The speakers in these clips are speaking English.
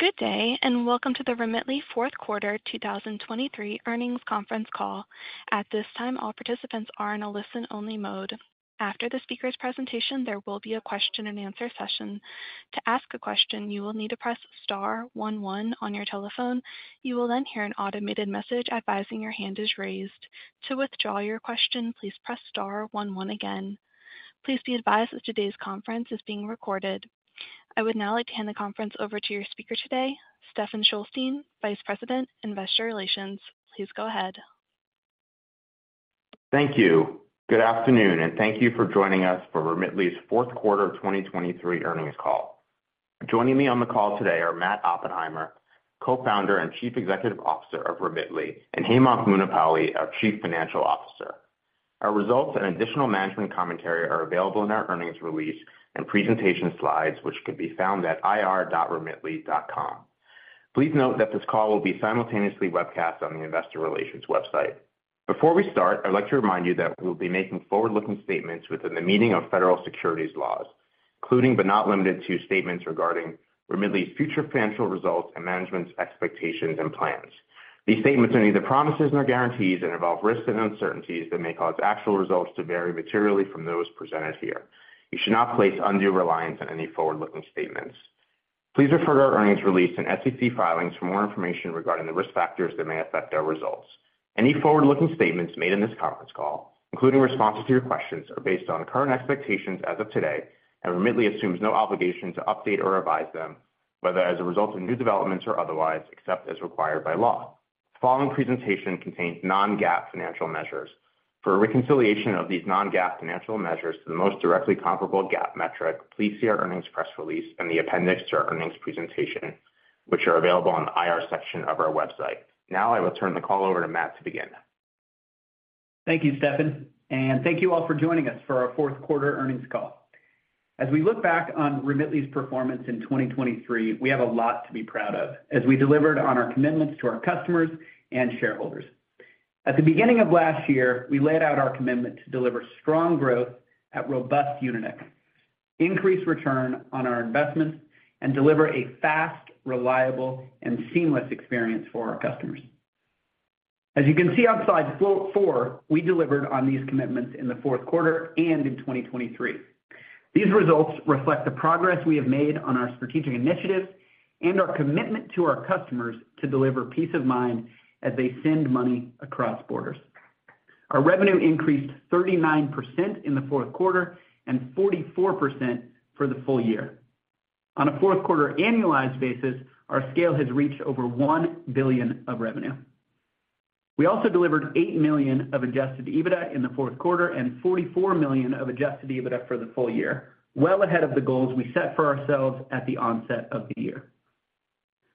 Good day, and welcome to the Remitly Fourth Quarter 2023 Earnings Conference Call. At this time, all participants are in a listen-only mode. After the speaker's presentation, there will be a question-and-answer session. To ask a question, you will need to press star one one on your telephone. You will then hear an automated message advising your hand is raised. To withdraw your question, please press star one one again. Please be advised that today's conference is being recorded. I would now like to hand the conference over to your speaker today, Stephen Shulstein, Vice President, Investor Relations. Please go ahead. Thank you. Good afternoon, and thank you for joining us for Remitly's fourth quarter of 2023 earnings call. Joining me on the call today are Matt Oppenheimer, Co-founder and Chief Executive Officer of Remitly, and Hemanth Munipalli, our Chief Financial Officer. Our results and additional management commentary are available in our earnings release and presentation slides, which can be found at ir.remitly.com. Please note that this call will be simultaneously webcast on the Investor Relations website. Before we start, I'd like to remind you that we'll be making forward-looking statements within the meaning of federal securities laws, including but not limited to statements regarding Remitly's future financial results and management's expectations and plans. These statements are neither promises nor guarantees, and involve risks and uncertainties that may cause actual results to vary materially from those presented here. You should not place undue reliance on any forward-looking statements. Please refer to our earnings release and SEC filings for more information regarding the risk factors that may affect our results. Any forward-looking statements made in this conference call, including responses to your questions, are based on current expectations as of today, and Remitly assumes no obligation to update or revise them, whether as a result of new developments or otherwise, except as required by law. The following presentation contains non-GAAP financial measures. For a reconciliation of these non-GAAP financial measures to the most directly comparable GAAP metric, please see our earnings press release and the appendix to our earnings presentation, which are available on the IR section of our website. Now, I will turn the call over to Matt to begin. Thank you, Stephen, and thank you all for joining us for our fourth quarter earnings call. As we look back on Remitly's performance in 2023, we have a lot to be proud of, as we delivered on our commitments to our customers and shareholders. At the beginning of last year, we laid out our commitment to deliver strong growth at robust unit economics, increase return on our investments, and deliver a fast, reliable, and seamless experience for our customers. As you can see on slide 4, we delivered on these commitments in the fourth quarter and in 2023. These results reflect the progress we have made on our strategic initiatives and our commitment to our customers to deliver peace of mind as they send money across borders. Our revenue increased 39% in the fourth quarter and 44% for the full year. On a fourth quarter annualized basis, our scale has reached over $1 billion of revenue. We also delivered $8 million of adjusted EBITDA in the fourth quarter and $44 million of adjusted EBITDA for the full year, well ahead of the goals we set for ourselves at the onset of the year.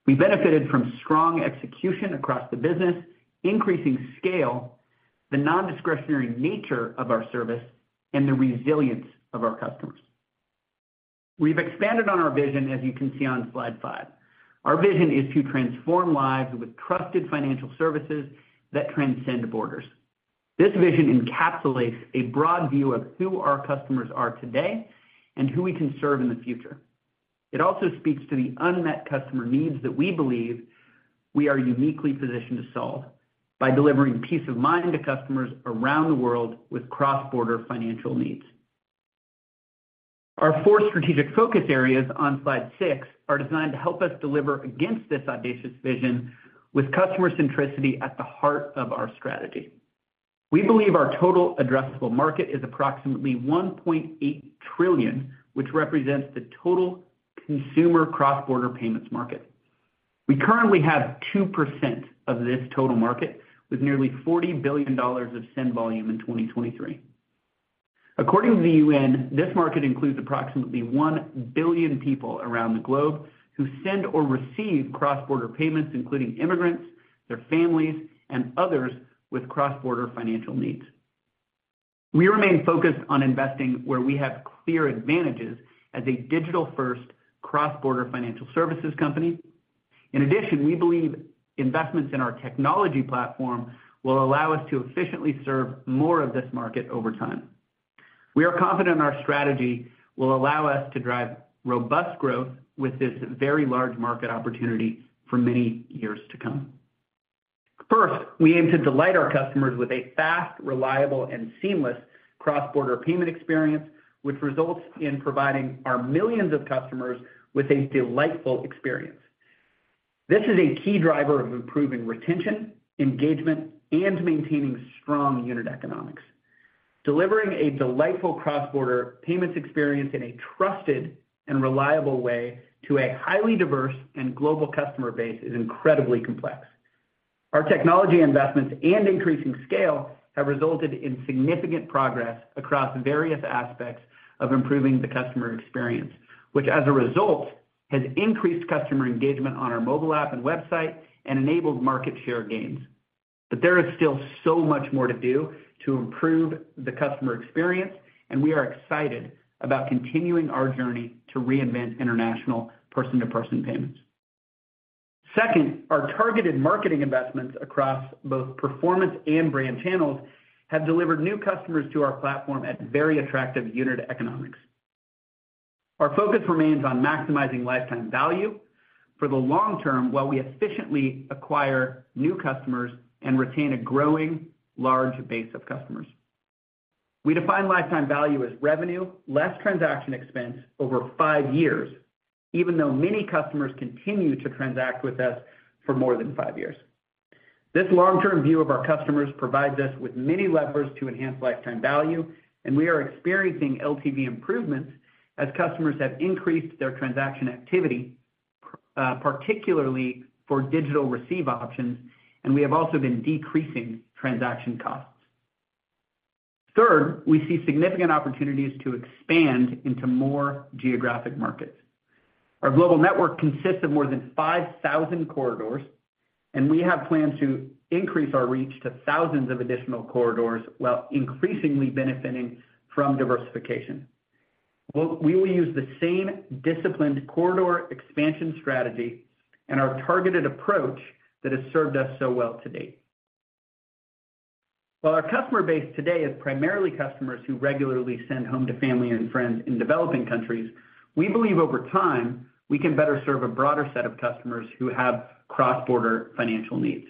We benefited from strong execution across the business, increasing scale, the non-discretionary nature of our service, and the resilience of our customers. We've expanded on our vision, as you can see on slide 5. Our vision is to transform lives with trusted financial services that transcend borders. This vision encapsulates a broad view of who our customers are today and who we can serve in the future. It also speaks to the unmet customer needs that we believe we are uniquely positioned to solve by delivering peace of mind to customers around the world with cross-border financial needs. Our four strategic focus areas on slide six are designed to help us deliver against this audacious vision with customer centricity at the heart of our strategy. We believe our total addressable market is approximately $1.8 trillion, which represents the total consumer cross-border payments market. We currently have 2% of this total market, with nearly $40 billion of send volume in 2023. According to the UN, this market includes approximately 1 billion people around the globe who send or receive cross-border payments, including immigrants, their families, and others with cross-border financial needs. We remain focused on investing where we have clear advantages as a digital-first cross-border financial services company. In addition, we believe investments in our technology platform will allow us to efficiently serve more of this market over time. We are confident our strategy will allow us to drive robust growth with this very large market opportunity for many years to come. First, we aim to delight our customers with a fast, reliable, and seamless cross-border payment experience, which results in providing our millions of customers with a delightful experience. This is a key driver of improving retention, engagement, and maintaining strong unit economics. Delivering a delightful cross-border payments experience in a trusted and reliable way to a highly diverse and global customer base is incredibly complex. Our technology investments and increasing scale have resulted in significant progress across various aspects of improving the customer experience, which as a result, has increased customer engagement on our mobile app and website and enabled market share gains. But there is still so much more to do to improve the customer experience, and we are excited about continuing our journey to reinvent international person-to-person payments. Second, our targeted marketing investments across both performance and brand channels have delivered new customers to our platform at very attractive unit economics. Our focus remains on maximizing lifetime value for the long term, while we efficiently acquire new customers and retain a growing large base of customers. We define lifetime value as revenue, less transaction expense over five years, even though many customers continue to transact with us for more than five years. This long-term view of our customers provides us with many levers to enhance lifetime value, and we are experiencing LTV improvements as customers have increased their transaction activity, particularly for digital receive options, and we have also been decreasing transaction costs. Third, we see significant opportunities to expand into more geographic markets. Our global network consists of more than 5,000 corridors, and we have plans to increase our reach to thousands of additional corridors while increasingly benefiting from diversification. We will use the same disciplined corridor expansion strategy and our targeted approach that has served us so well to date. While our customer base today is primarily customers who regularly send home to family and friends in developing countries, we believe over time, we can better serve a broader set of customers who have cross-border financial needs.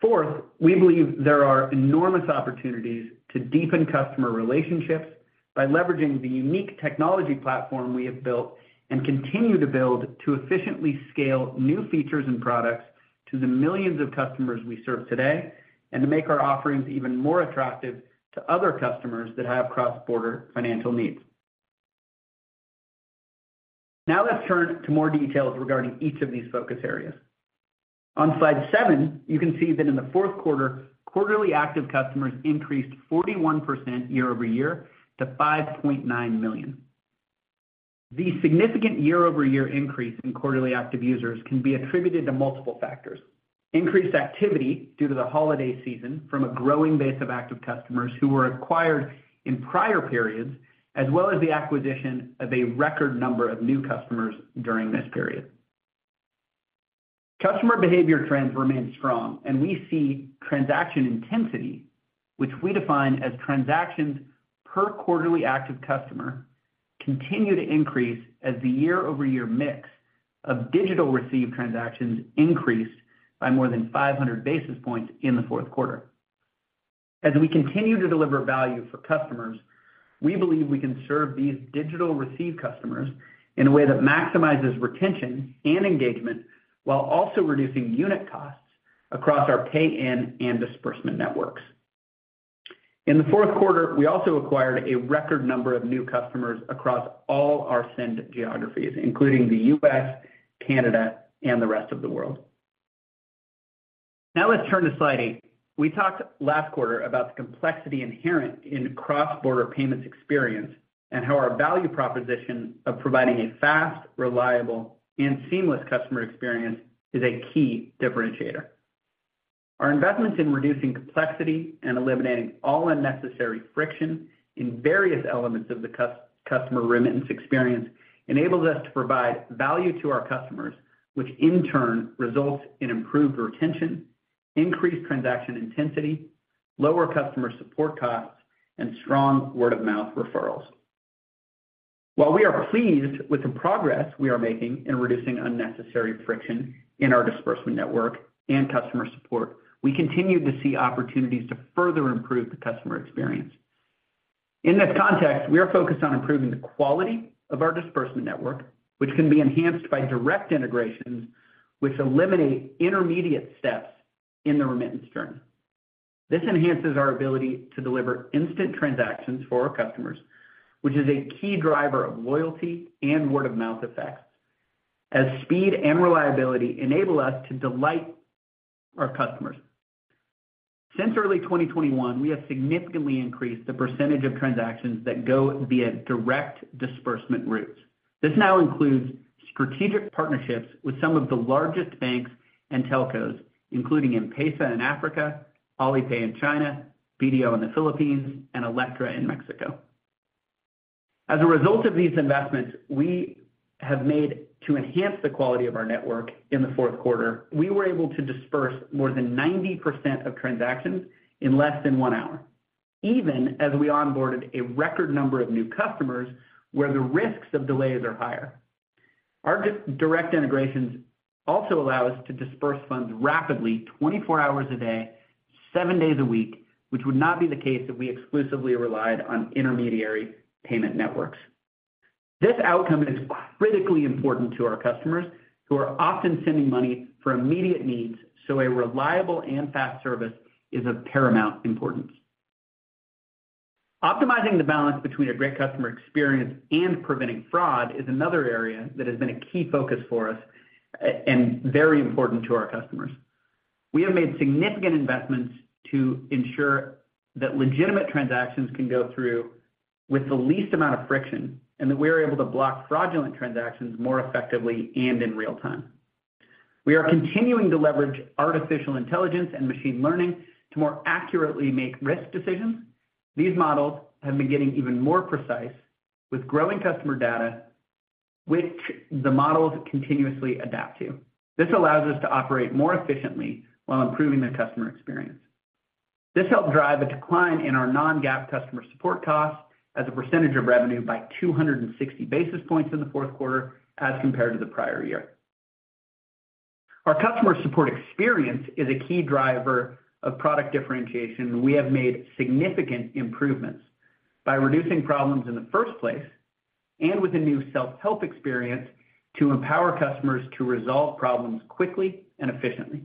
Fourth, we believe there are enormous opportunities to deepen customer relationships by leveraging the unique technology platform we have built and continue to build to efficiently scale new features and products to the millions of customers we serve today, and to make our offerings even more attractive to other customers that have cross-border financial needs. Now, let's turn to more details regarding each of these focus areas. On slide seven, you can see that in the fourth quarter, Quarterly Active Customers increased 41% year-over-year to 5.9 million. The significant year-over-year increase in quarterly active users can be attributed to multiple factors: increased activity due to the holiday season from a growing base of active customers who were acquired in prior periods, as well as the acquisition of a record number of new customers during this period. Customer behavior trends remain strong, and we see transaction intensity, which we define as transactions per quarterly active customer, continue to increase as the year-over-year mix of digital receive transactions increased by more than 500 basis points in the fourth quarter. As we continue to deliver value for customers, we believe we can serve these digital receive customers in a way that maximizes retention and engagement while also reducing unit costs across our pay-in and disbursement networks. In the fourth quarter, we also acquired a record number of new customers across all our send geographies, including the U.S., Canada, and the rest of the world. Now, let's turn to slide eight. We talked last quarter about the complexity inherent in cross-border payments experience and how our value proposition of providing a fast, reliable, and seamless customer experience is a key differentiator. Our investments in reducing complexity and eliminating all unnecessary friction in various elements of the customer remittance experience enables us to provide value to our customers, which in turn results in improved retention, increased transaction intensity, lower customer support costs, and strong word-of-mouth referrals. While we are pleased with the progress we are making in reducing unnecessary friction in our disbursement network and customer support, we continue to see opportunities to further improve the customer experience. In this context, we are focused on improving the quality of our disbursement network, which can be enhanced by direct integrations, which eliminate intermediate steps in the remittance journey. This enhances our ability to deliver instant transactions for our customers, which is a key driver of loyalty and word-of-mouth effects, as speed and reliability enable us to delight our customers. Since early 2021, we have significantly increased the percentage of transactions that go via direct disbursement routes. This now includes strategic partnerships with some of the largest banks and telcos, including M-PESA in Africa, Alipay in China, BDO in the Philippines, and Elektra in Mexico. As a result of these investments we have made to enhance the quality of our network in the fourth quarter, we were able to disburse more than 90% of transactions in less than one hour, even as we onboarded a record number of new customers where the risks of delays are higher. Our direct integrations also allow us to disburse funds rapidly, 24 hours a day, 7 days a week, which would not be the case if we exclusively relied on intermediary payment networks. This outcome is critically important to our customers, who are often sending money for immediate needs, so a reliable and fast service is of paramount importance. Optimizing the balance between a great customer experience and preventing fraud is another area that has been a key focus for us, and very important to our customers. We have made significant investments to ensure that legitimate transactions can go through with the least amount of friction, and that we are able to block fraudulent transactions more effectively and in real time. We are continuing to leverage artificial intelligence and machine learning to more accurately make risk decisions. These models have been getting even more precise with growing customer data, which the models continuously adapt to. This allows us to operate more efficiently while improving the customer experience. This helped drive a decline in our non-GAAP customer support costs as a percentage of revenue by 260 basis points in the fourth quarter as compared to the prior year. Our customer support experience is a key driver of product differentiation, and we have made significant improvements by reducing problems in the first place, and with a new self-help experience to empower customers to resolve problems quickly and efficiently.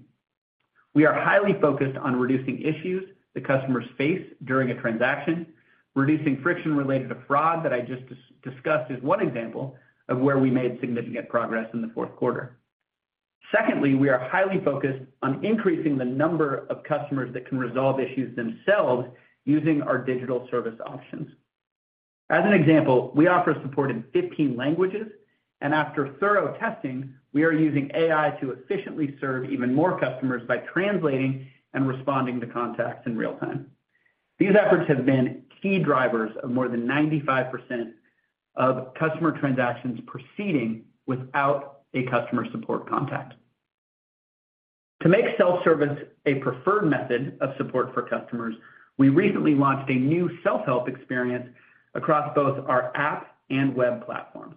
We are highly focused on reducing issues that customers face during a transaction. Reducing friction related to fraud that I just discussed is one example of where we made significant progress in the fourth quarter. Secondly, we are highly focused on increasing the number of customers that can resolve issues themselves using our digital service options. As an example, we offer support in 15 languages, and after thorough testing, we are using AI to efficiently serve even more customers by translating and responding to contacts in real time. These efforts have been key drivers of more than 95% of customer transactions proceeding without a customer support contact. To make self-service a preferred method of support for customers, we recently launched a new self-help experience across both our app and web platforms.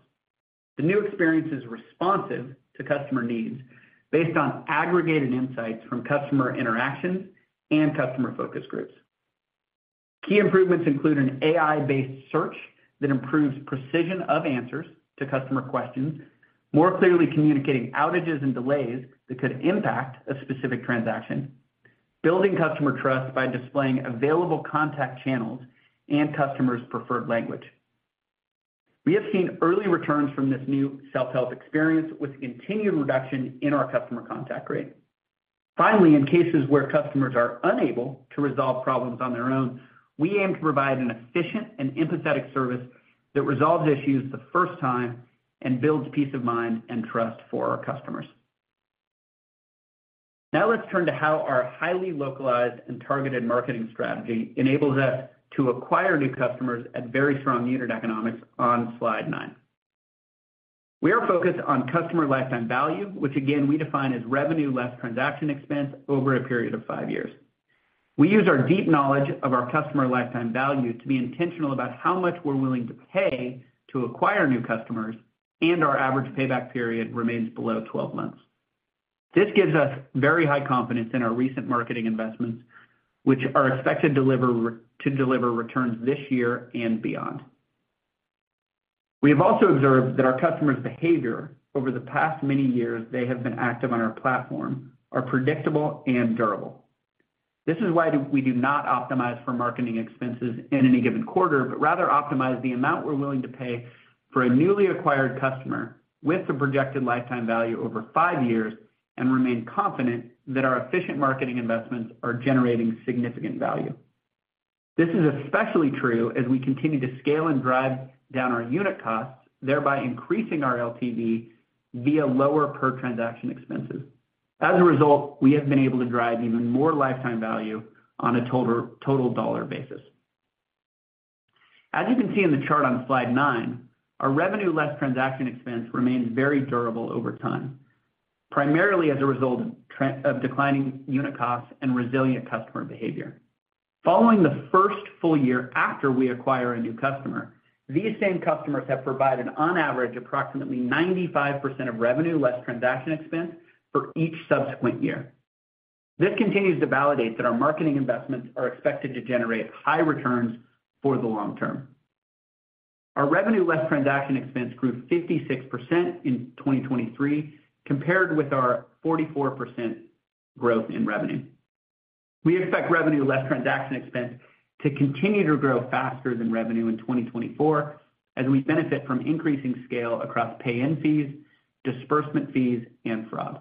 The new experience is responsive to customer needs based on aggregated insights from customer interactions and customer focus groups. Key improvements include an AI-based search that improves precision of answers to customer questions, more clearly communicating outages and delays that could impact a specific transaction, building customer trust by displaying available contact channels and customers' preferred language. We have seen early returns from this new self-help experience with continued reduction in our customer contact rate. Finally, in cases where customers are unable to resolve problems on their own, we aim to provide an efficient and empathetic service that resolves issues the first time and builds peace of mind and trust for our customers. Now, let's turn to how our highly localized and targeted marketing strategy enables us to acquire new customers at very strong unit economics on slide 9. We are focused on customer lifetime value, which again, we define as revenue less transaction expense over a period of 5 years. We use our deep knowledge of our customer lifetime value to be intentional about how much we're willing to pay to acquire new customers, and our average payback period remains below 12 months. This gives us very high confidence in our recent marketing investments, which are expected to deliver returns this year and beyond. We have also observed that our customers' behavior over the past many years they have been active on our platform, are predictable and durable. This is why we do not optimize for marketing expenses in any given quarter, but rather optimize the amount we're willing to pay for a newly acquired customer with the projected lifetime value over five years, and remain confident that our efficient marketing investments are generating significant value. This is especially true as we continue to scale and drive down our unit costs, thereby increasing our LTV via lower per transaction expenses. As a result, we have been able to drive even more lifetime value on a total, total dollar basis. As you can see in the chart on slide 9, our revenue less transaction expense remains very durable over time, primarily as a result of trends of declining unit costs and resilient customer behavior. Following the first full year after we acquire a new customer, these same customers have provided, on average, approximately 95% of revenue less transaction expense for each subsequent year. This continues to validate that our marketing investments are expected to generate high returns for the long term. Our revenue less transaction expense grew 56% in 2023, compared with our 44% growth in revenue. We expect revenue less transaction expense to continue to grow faster than revenue in 2024, as we benefit from increasing scale across pay-in fees, disbursement fees, and fraud.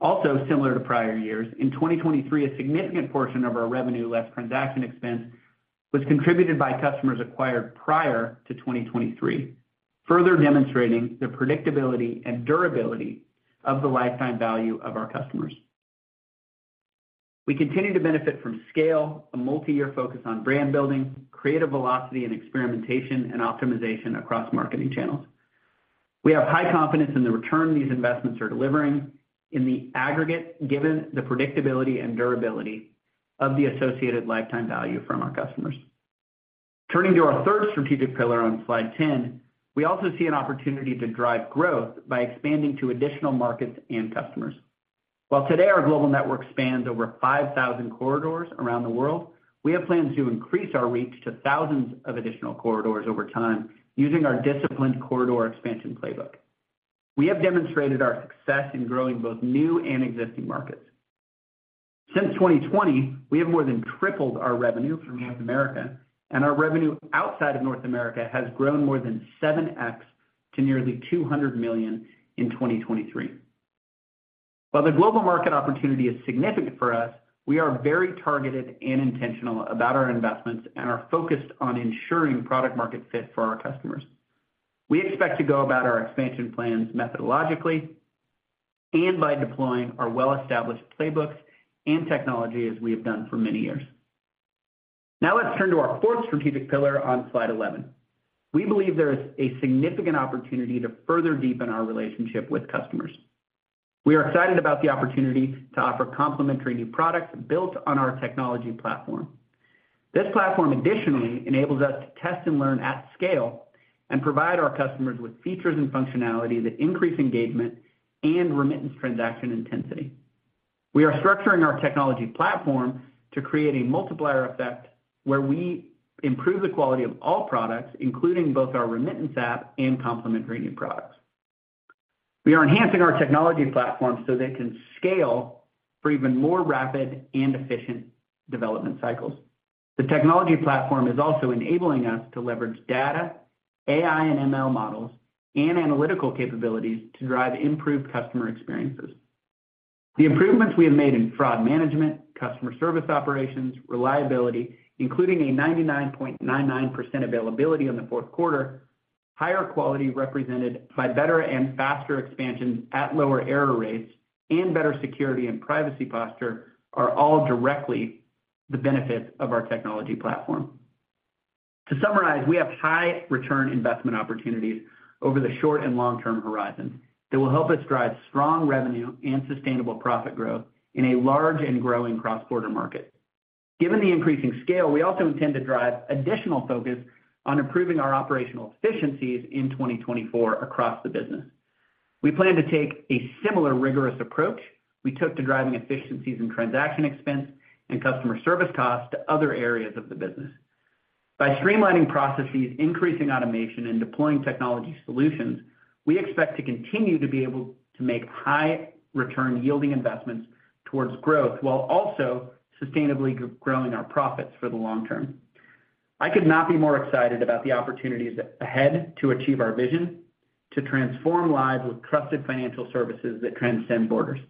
Also, similar to prior years, in 2023, a significant portion of our revenue less transaction expense was contributed by customers acquired prior to 2023, further demonstrating the predictability and durability of the lifetime value of our customers. We continue to benefit from scale, a multi-year focus on brand building, creative velocity and experimentation, and optimization across marketing channels. We have high confidence in the return these investments are delivering in the aggregate, given the predictability and durability of the associated lifetime value from our customers. Turning to our third strategic pillar on slide 10, we also see an opportunity to drive growth by expanding to additional markets and customers. While today, our global network spans over 5,000 corridors around the world, we have plans to increase our reach to thousands of additional corridors over time, using our disciplined corridor expansion playbook. We have demonstrated our success in growing both new and existing markets. Since 2020, we have more than tripled our revenue from North America, and our revenue outside of North America has grown more than 7x to nearly $200 million in 2023. While the global market opportunity is significant for us, we are very targeted and intentional about our investments and are focused on ensuring product-market fit for our customers. We expect to go about our expansion plans methodically... and by deploying our well-established playbooks and technology as we have done for many years. Now let's turn to our fourth strategic pillar on slide 11. We believe there is a significant opportunity to further deepen our relationship with customers. We are excited about the opportunity to offer complementary new products built on our technology platform. This platform additionally enables us to test and learn at scale, and provide our customers with features and functionality that increase engagement and remittance transaction intensity. We are structuring our technology platform to create a multiplier effect, where we improve the quality of all products, including both our remittance app and complementary new products. We are enhancing our technology platforms so they can scale for even more rapid and efficient development cycles. The technology platform is also enabling us to leverage data, AI and ML models, and analytical capabilities to drive improved customer experiences. The improvements we have made in fraud management, customer service operations, reliability, including a 99.99% availability in the fourth quarter, higher quality represented by better and faster expansions at lower error rates, and better security and privacy posture, are all directly the benefit of our technology platform. To summarize, we have high return investment opportunities over the short and long-term horizon that will help us drive strong revenue and sustainable profit growth in a large and growing cross-border market. Given the increasing scale, we also intend to drive additional focus on improving our operational efficiencies in 2024 across the business. We plan to take a similar rigorous approach we took to driving efficiencies in transaction expense and customer service costs to other areas of the business. By streamlining processes, increasing automation, and deploying technology solutions, we expect to continue to be able to make high return yielding investments towards growth, while also sustainably growing our profits for the long term. I could not be more excited about the opportunities ahead to achieve our vision, to transform lives with trusted financial services that transcend borders.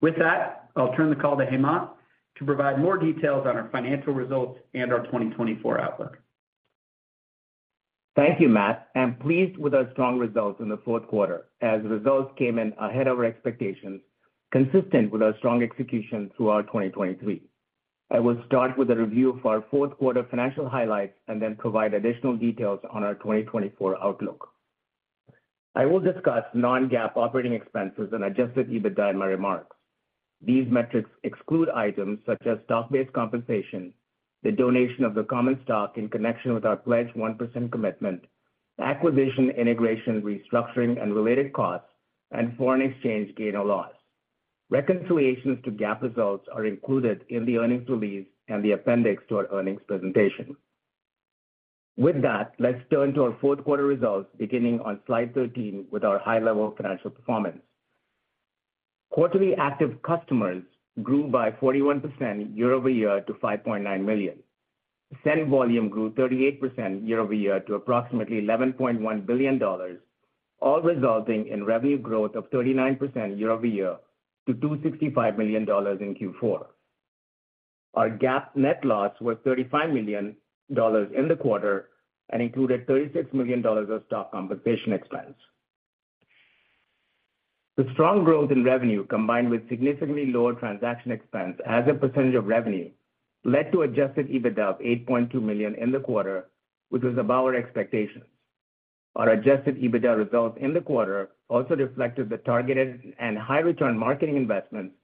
With that, I'll turn the call to Hemanth to provide more details on our financial results and our 2024 outlook. Thank you, Matt. I'm pleased with our strong results in the fourth quarter, as results came in ahead of our expectations, consistent with our strong execution throughout 2023. I will start with a review of our fourth quarter financial highlights, and then provide additional details on our 2024 outlook. I will discuss non-GAAP operating expenses and adjusted EBITDA in my remarks. These metrics exclude items such as stock-based compensation, the donation of the common stock in connection with our pledged 1% commitment, acquisition, integration, restructuring, and related costs, and foreign exchange gain or loss. Reconciliations to GAAP results are included in the earnings release and the appendix to our earnings presentation. With that, let's turn to our fourth quarter results, beginning on slide 13 with our high-level financial performance. Quarterly active customers grew by 41% year-over-year to 5.9 million. Send volume grew 38% year-over-year to approximately $11.1 billion, all resulting in revenue growth of 39% year-over-year to $265 million in Q4. Our GAAP net loss was $35 million in the quarter and included $36 million of stock compensation expense. The strong growth in revenue, combined with significantly lower transaction expense as a percentage of revenue, led to Adjusted EBITDA of $8.2 million in the quarter, which was above our expectations. Our Adjusted EBITDA results in the quarter also reflected the targeted and high-return marketing investments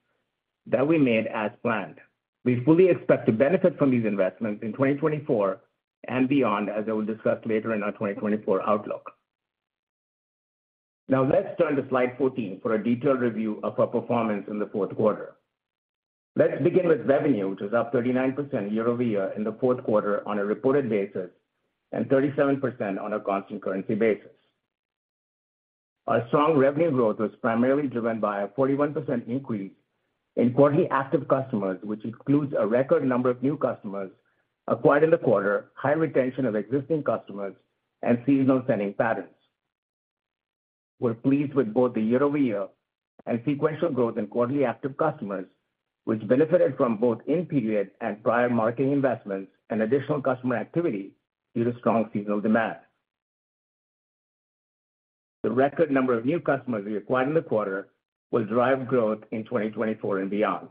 that we made as planned. We fully expect to benefit from these investments in 2024 and beyond, as I will discuss later in our 2024 outlook. Now, let's turn to slide 14 for a detailed review of our performance in the fourth quarter. Let's begin with revenue, which is up 39% year-over-year in the fourth quarter on a reported basis, and 37% on a constant currency basis. Our strong revenue growth was primarily driven by a 41% increase in quarterly active customers, which includes a record number of new customers acquired in the quarter, high retention of existing customers, and seasonal spending patterns. We're pleased with both the year-over-year and sequential growth in quarterly active customers, which benefited from both in-period and prior marketing investments and additional customer activity due to strong seasonal demand. The record number of new customers we acquired in the quarter will drive growth in 2024 and beyond.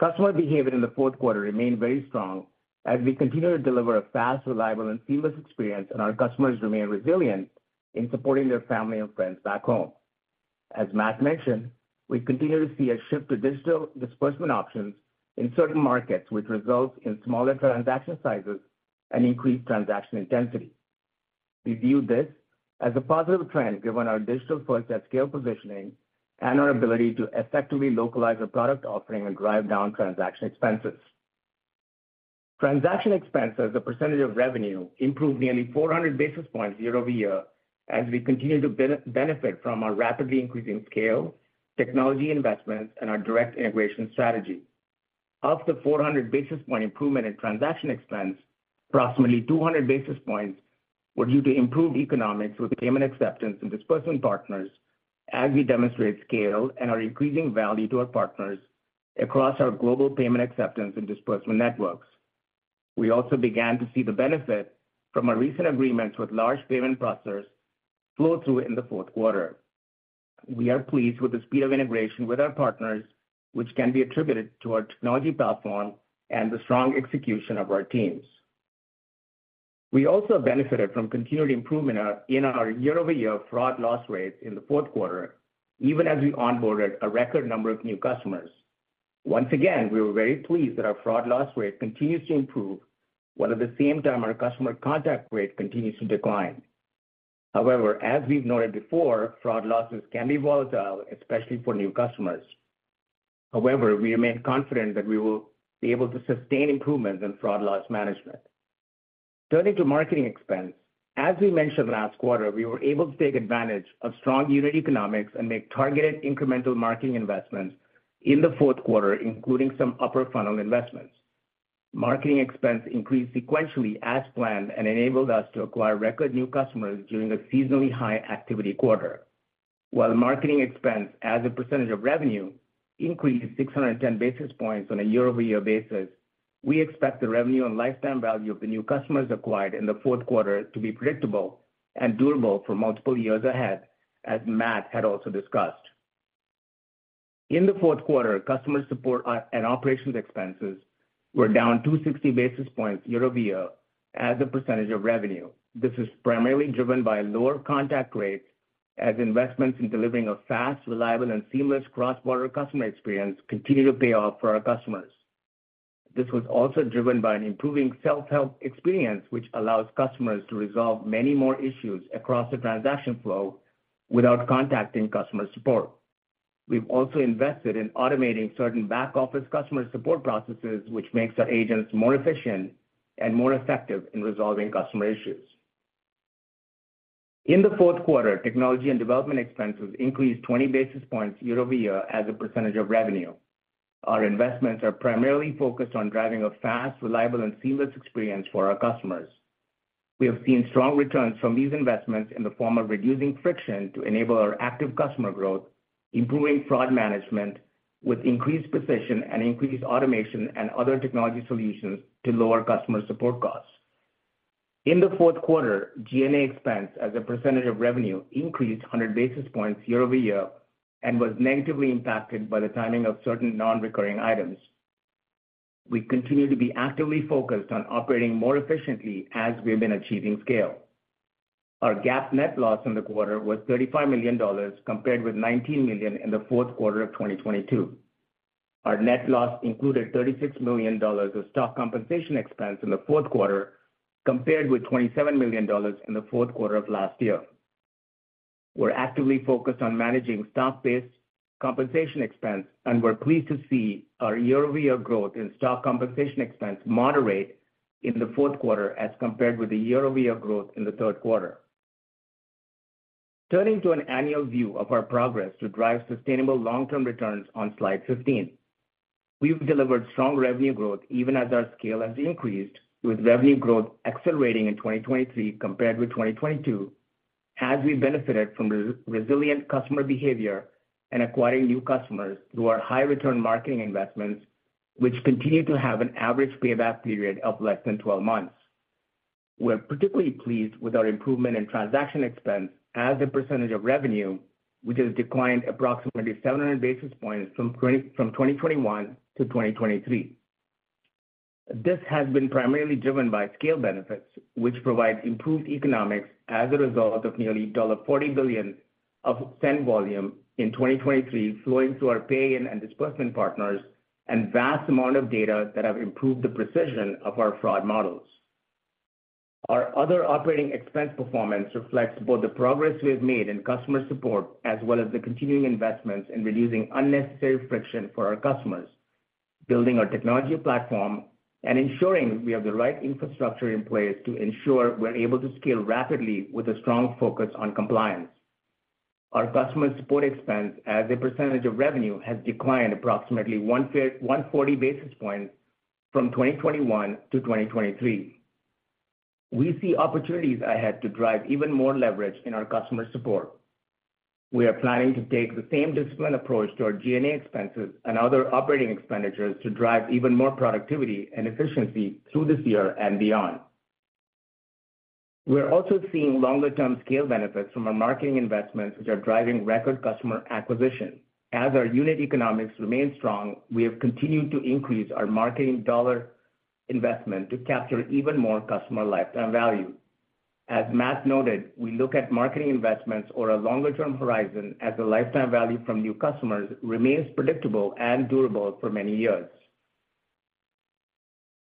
Customer behavior in the fourth quarter remained very strong as we continue to deliver a fast, reliable, and seamless experience, and our customers remain resilient in supporting their family and friends back home. As Matt mentioned, we continue to see a shift to digital disbursement options in certain markets, which results in smaller transaction sizes and increased transaction intensity. We view this as a positive trend, given our digital-first at-scale positioning and our ability to effectively localize the product offering and drive down transaction expenses. Transaction expense as a percentage of revenue improved nearly 400 basis points year-over-year, as we continue to benefit from our rapidly increasing scale, technology investments, and our direct integration strategy. Of the 400 basis point improvement in transaction expense, approximately 200 basis points were due to improved economics with payment acceptance and disbursement partners, as we demonstrate scale and are increasing value to our partners across our global payment acceptance and disbursement networks. We also began to see the benefit from our recent agreements with large payment processors flow through in the fourth quarter. We are pleased with the speed of integration with our partners, which can be attributed to our technology platform and the strong execution of our teams. We also benefited from continued improvement in our year-over-year fraud loss rate in the fourth quarter, even as we onboarded a record number of new customers. Once again, we were very pleased that our fraud loss rate continues to improve, while at the same time our customer contact rate continues to decline. However, as we've noted before, fraud losses can be volatile, especially for new customers. However, we remain confident that we will be able to sustain improvements in fraud loss management. Turning to marketing expense, as we mentioned last quarter, we were able to take advantage of strong unit economics and make targeted incremental marketing investments in the fourth quarter, including some upper funnel investments. Marketing expense increased sequentially as planned, and enabled us to acquire record new customers during a seasonally high activity quarter. While marketing expense as a percentage of revenue increased 610 basis points on a year-over-year basis, we expect the revenue and lifetime value of the new customers acquired in the fourth quarter to be predictable and durable for multiple years ahead, as Matt had also discussed. In the fourth quarter, customer support and operations expenses were down 260 basis points year-over-year as a percentage of revenue. This is primarily driven by lower contact rates, as investments in delivering a fast, reliable, and seamless cross-border customer experience continue to pay off for our customers. This was also driven by an improving self-help experience, which allows customers to resolve many more issues across the transaction flow without contacting customer support. We've also invested in automating certain back-office customer support processes, which makes our agents more efficient and more effective in resolving customer issues. In the fourth quarter, technology and development expenses increased 20 basis points year-over-year as a percentage of revenue. Our investments are primarily focused on driving a fast, reliable, and seamless experience for our customers. We have seen strong returns from these investments in the form of reducing friction to enable our active customer growth, improving fraud management with increased precision and increased automation, and other technology solutions to lower customer support costs. In the fourth quarter, G&A expense as a percentage of revenue increased 100 basis points year-over-year and was negatively impacted by the timing of certain non-recurring items. We continue to be actively focused on operating more efficiently as we have been achieving scale. Our GAAP net loss in the quarter was $35 million, compared with $19 million in the fourth quarter of 2022. Our net loss included $36 million of stock compensation expense in the fourth quarter, compared with $27 million in the fourth quarter of last year. We're actively focused on managing stock-based compensation expense, and we're pleased to see our year-over-year growth in stock compensation expense moderate in the fourth quarter as compared with the year-over-year growth in the third quarter. Turning to an annual view of our progress to drive sustainable long-term returns on slide 15. We've delivered strong revenue growth even as our scale has increased, with revenue growth accelerating in 2023 compared with 2022, as we benefited from resilient customer behavior and acquiring new customers through our high return marketing investments, which continue to have an average payback period of less than 12 months. We're particularly pleased with our improvement in transaction expense as a percentage of revenue, which has declined approximately 700 basis points from 2021 to 2023. This has been primarily driven by scale benefits, which provide improved economics as a result of nearly $40 billion of send volume in 2023 flowing through our pay-in and disbursement partners, and vast amount of data that have improved the precision of our fraud models. Our other operating expense performance reflects both the progress we have made in customer support, as well as the continuing investments in reducing unnecessary friction for our customers, building our technology platform, and ensuring we have the right infrastructure in place to ensure we're able to scale rapidly with a strong focus on compliance. Our customer support expense as a percentage of revenue has declined approximately 140 basis points from 2021 to 2023. We see opportunities ahead to drive even more leverage in our customer support. We are planning to take the same disciplined approach to our G&A expenses and other operating expenditures to drive even more productivity and efficiency through this year and beyond. We are also seeing longer-term scale benefits from our marketing investments, which are driving record customer acquisition. As our unit economics remain strong, we have continued to increase our marketing dollar investment to capture even more customer lifetime value. As Matt noted, we look at marketing investments over a longer-term horizon, as the lifetime value from new customers remains predictable and durable for many years.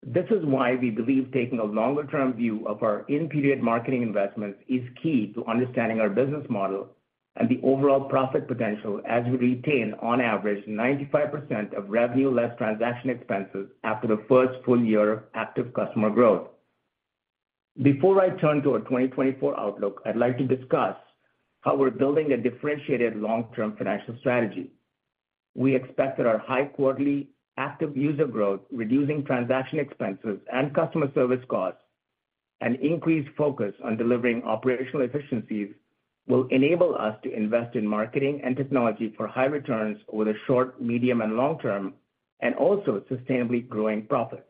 This is why we believe taking a longer-term view of our in-period marketing investments is key to understanding our business model and the overall profit potential, as we retain, on average, 95% of revenue less transaction expenses after the first full year of active customer growth. Before I turn to our 2024 outlook, I'd like to discuss how we're building a differentiated long-term financial strategy. We expect that our high quarterly active user growth, reducing transaction expenses and customer service costs. An increased focus on delivering operational efficiencies will enable us to invest in marketing and technology for high returns over the short, medium, and long term, and also sustainably growing profits.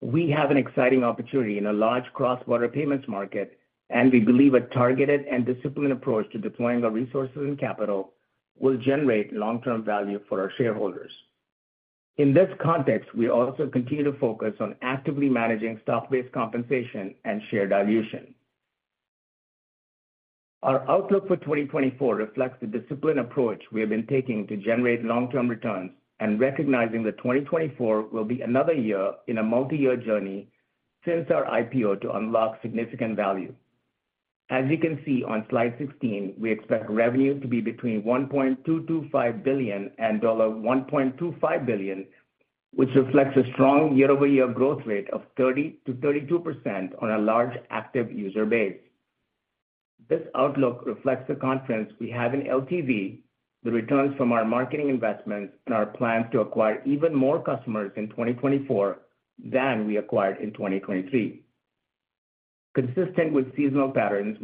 We have an exciting opportunity in a large cross-border payments market, and we believe a targeted and disciplined approach to deploying our resources and capital will generate long-term value for our shareholders. In this context, we also continue to focus on actively managing stock-based compensation and share dilution. Our outlook for 2024 reflects the disciplined approach we have been taking to generate long-term returns and recognizing that 2024 will be another year in a multiyear journey since our IPO to unlock significant value. As you can see on slide 16, we expect revenue to be between $1.225 billion and $1.25 billion, which reflects a strong year-over-year growth rate of 30%-32% on a large active user base. This outlook reflects the confidence we have in LTV, the returns from our marketing investments, and our plans to acquire even more customers in 2024 than we acquired in 2023. Consistent with seasonal patterns,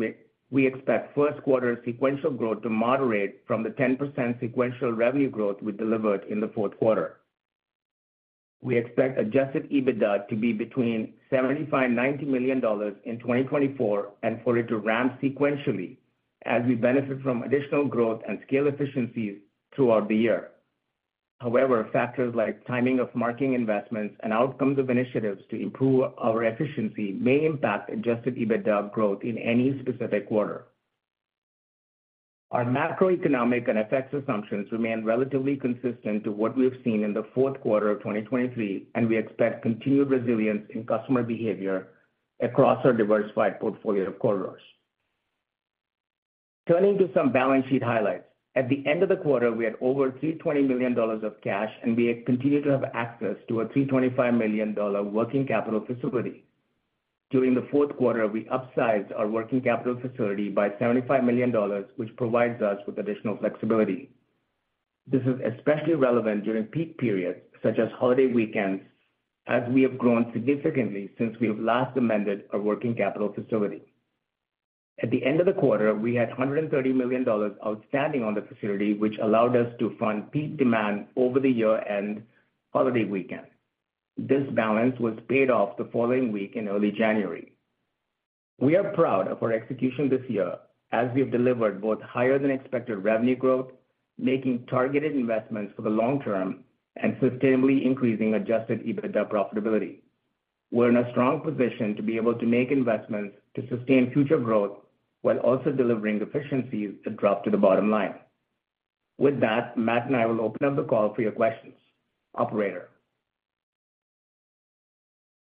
we expect first quarter sequential growth to moderate from the 10% sequential revenue growth we delivered in the fourth quarter. We expect Adjusted EBITDA to be between $75 million and $90 million in 2024, and for it to ramp sequentially as we benefit from additional growth and scale efficiencies throughout the year. However, factors like timing of marketing investments and outcomes of initiatives to improve our efficiency may impact Adjusted EBITDA growth in any specific quarter. Our macroeconomic and FX assumptions remain relatively consistent to what we have seen in the fourth quarter of 2023, and we expect continued resilience in customer behavior across our diversified portfolio of corridors. Turning to some balance sheet highlights. At the end of the quarter, we had over $320 million of cash, and we continue to have access to a $325 million working capital facility. During the fourth quarter, we upsized our working capital facility by $75 million, which provides us with additional flexibility. This is especially relevant during peak periods, such as holiday weekends, as we have grown significantly since we have last amended our working capital facility. At the end of the quarter, we had $130 million outstanding on the facility, which allowed us to fund peak demand over the year-end holiday weekend. This balance was paid off the following week in early January. We are proud of our execution this year as we have delivered both higher than expected revenue growth, making targeted investments for the long term, and sustainably increasing Adjusted EBITDA profitability. We're in a strong position to be able to make investments to sustain future growth while also delivering efficiencies that drop to the bottom line. With that, Matt and I will open up the call for your questions. Operator?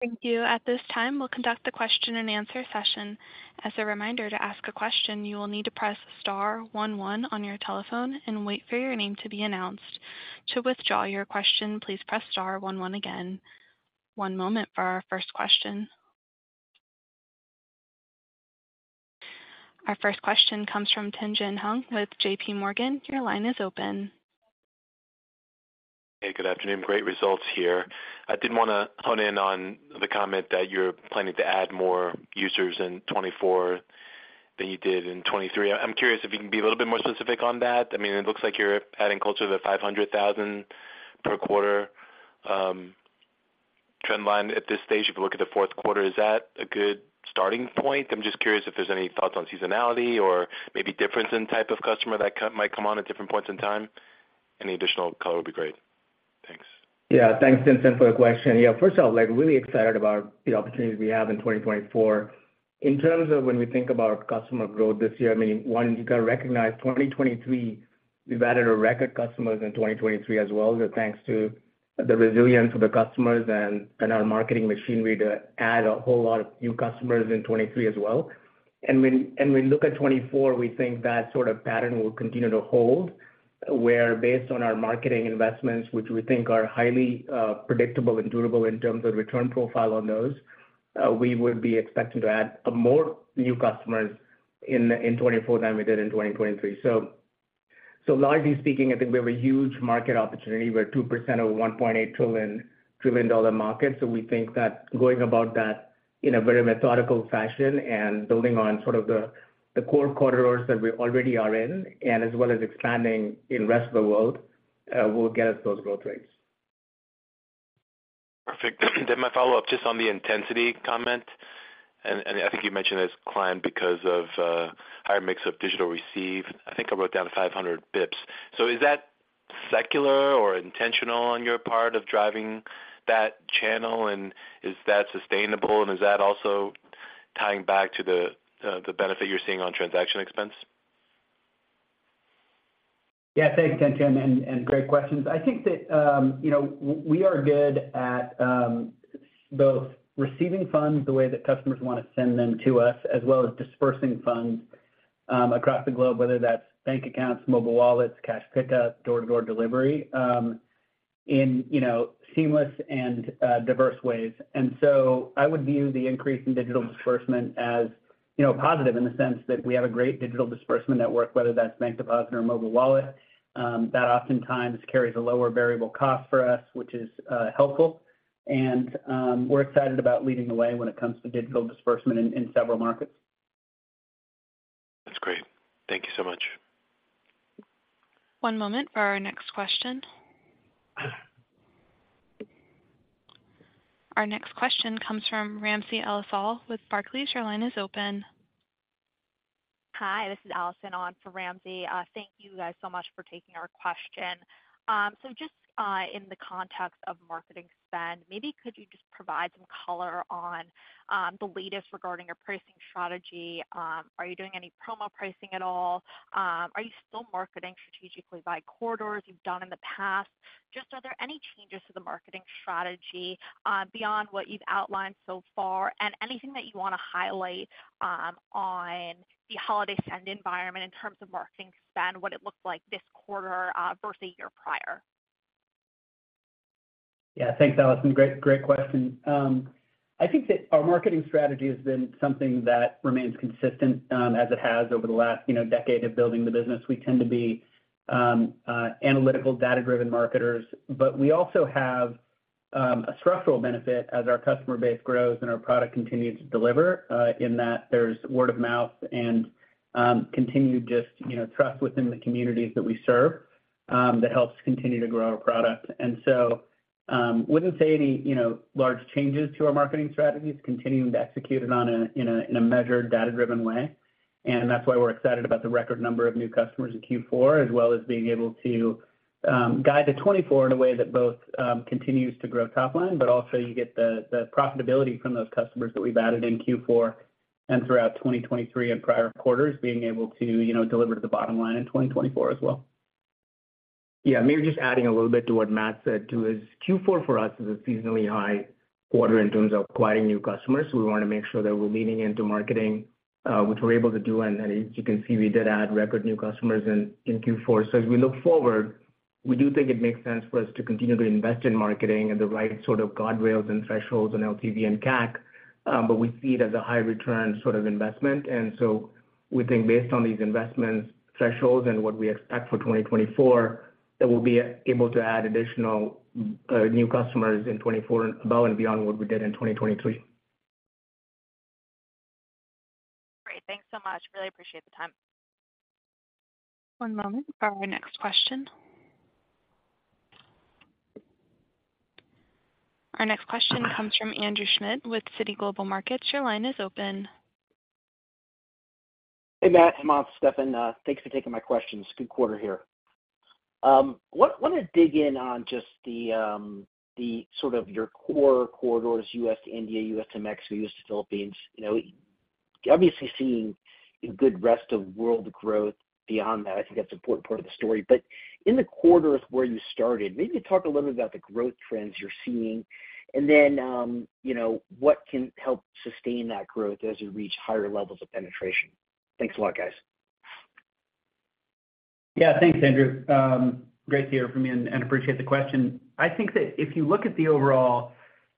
Thank you. At this time, we'll conduct the question and answer session. As a reminder, to ask a question, you will need to press star one one on your telephone and wait for your name to be announced. To withdraw your question, please press star one one again. One moment for our first question. Our first question comes from Tien-Tsin Huang with J.P. Morgan. Your line is open. Hey, good afternoon. Great results here. I did want to hone in on the comment that you're planning to add more users in 2024 than you did in 2023. I'm curious if you can be a little bit more specific on that. I mean, it looks like you're adding close to 500,000 per quarter trend line at this stage, if you look at the fourth quarter. Is that a good starting point? I'm just curious if there's any thoughts on seasonality or maybe difference in type of customer that might come on at different points in time. Any additional color would be great. Thanks. Yeah, thanks, Tien-Tsin Huang, for the question. Yeah, first off, like, really excited about the opportunities we have in 2024. In terms of when we think about customer growth this year, I mean, one, you got to recognize 2023, we've added a record customers in 2023 as well, thanks to the resilience of the customers and, and our marketing machinery to add a whole lot of new customers in 2023 as well. And when, and we look at 2024, we think that sort of pattern will continue to hold, where based on our marketing investments, which we think are highly predictable and durable in terms of return profile on those, we would be expecting to add more new customers in 2024 than we did in 2023. So, so largely speaking, I think we have a huge market opportunity. We're 2% of a $1.8 trillion-dollar market, so we think that going about that in a very methodical fashion and building on sort of the core corridors that we already are in, and as well as expanding in the rest of the world, will get us those growth rates. Perfect. Then my follow-up, just on the intensity comment, and, and I think you mentioned it's climbed because of, higher mix of digital receive. I think I wrote down 500 basis points. So is that secular or intentional on your part of driving that channel, and is that sustainable, and is that also tying back to the, the benefit you're seeing on transaction expense? Yeah, thanks, Tien-Tsin, and, and great questions. I think that, you know, we are good at both receiving funds the way that customers want to send them to us, as well as dispersing funds across the globe, whether that's bank accounts, mobile wallets, cash pickup, door-to-door delivery, in, you know, seamless and diverse ways. And so I would view the increase in digital disbursement as, you know, positive in the sense that we have a great digital disbursement network, whether that's bank deposit or mobile wallet, that oftentimes carries a lower variable cost for us, which is helpful. And, we're excited about leading the way when it comes to digital disbursement in several markets. Thank you so much. One moment for our next question. Our next question comes from Ramsey El-Assal with Barclays. Your line is open. Hi, this is Allison on for Ramsey. Thank you guys so much for taking our question. So just, in the context of marketing spend, maybe could you just provide some color on, the latest regarding your pricing strategy? Are you doing any promo pricing at all? Are you still marketing strategically by corridors you've done in the past? Just are there any changes to the marketing strategy, beyond what you've outlined so far? And anything that you want to highlight, on the holiday spend environment in terms of marketing spend, what it looked like this quarter, versus the year prior? Yeah, thanks, Allison. Great, great question. I think that our marketing strategy has been something that remains consistent, as it has over the last, you know, decade of building the business. We tend to be analytical, data-driven marketers, but we also have a structural benefit as our customer base grows and our product continues to deliver, in that there's word of mouth and continued just, you know, trust within the communities that we serve, that helps continue to grow our product. And so, wouldn't say any, you know, large changes to our marketing strategies, continuing to execute it in a measured, data-driven way. That's why we're excited about the record number of new customers in Q4, as well as being able to guide to 2024 in a way that both continues to grow top line, but also you get the profitability from those customers that we've added in Q4 and throughout 2023 and prior quarters, being able to, you know, deliver to the bottom line in 2024 as well. Yeah, maybe just adding a little bit to what Matt said, too, is Q4 for us is a seasonally high quarter in terms of acquiring new customers. We want to make sure that we're leaning into marketing, which we're able to do. And as you can see, we did add record new customers in Q4. So as we look forward, we do think it makes sense for us to continue to invest in marketing and the right sort of guardrails and thresholds on LTV and CAC, but we see it as a high return sort of investment. And so we think based on these investment thresholds and what we expect for 2024, that we'll be able to add additional new customers in 2024 above and beyond what we did in 2023. Great. Thanks so much. Really appreciate the time. One moment for our next question. Our next question comes from Andrew Schmidt with Citi Global Markets. Your line is open. Hey, Matt, Hemanth, Stephen. Thanks for taking my questions. Good quarter here. Want to dig in on just the sort of your core corridors, US to India, US to Mex, US to Philippines. You know, obviously seeing a good rest of world growth beyond that. I think that's an important part of the story. But in the quarters where you started, maybe talk a little bit about the growth trends you're seeing, and then, you know, what can help sustain that growth as you reach higher levels of penetration. Thanks a lot, guys. Yeah, thanks, Andrew. Great to hear from you, and appreciate the question. I think that if you look at the overall.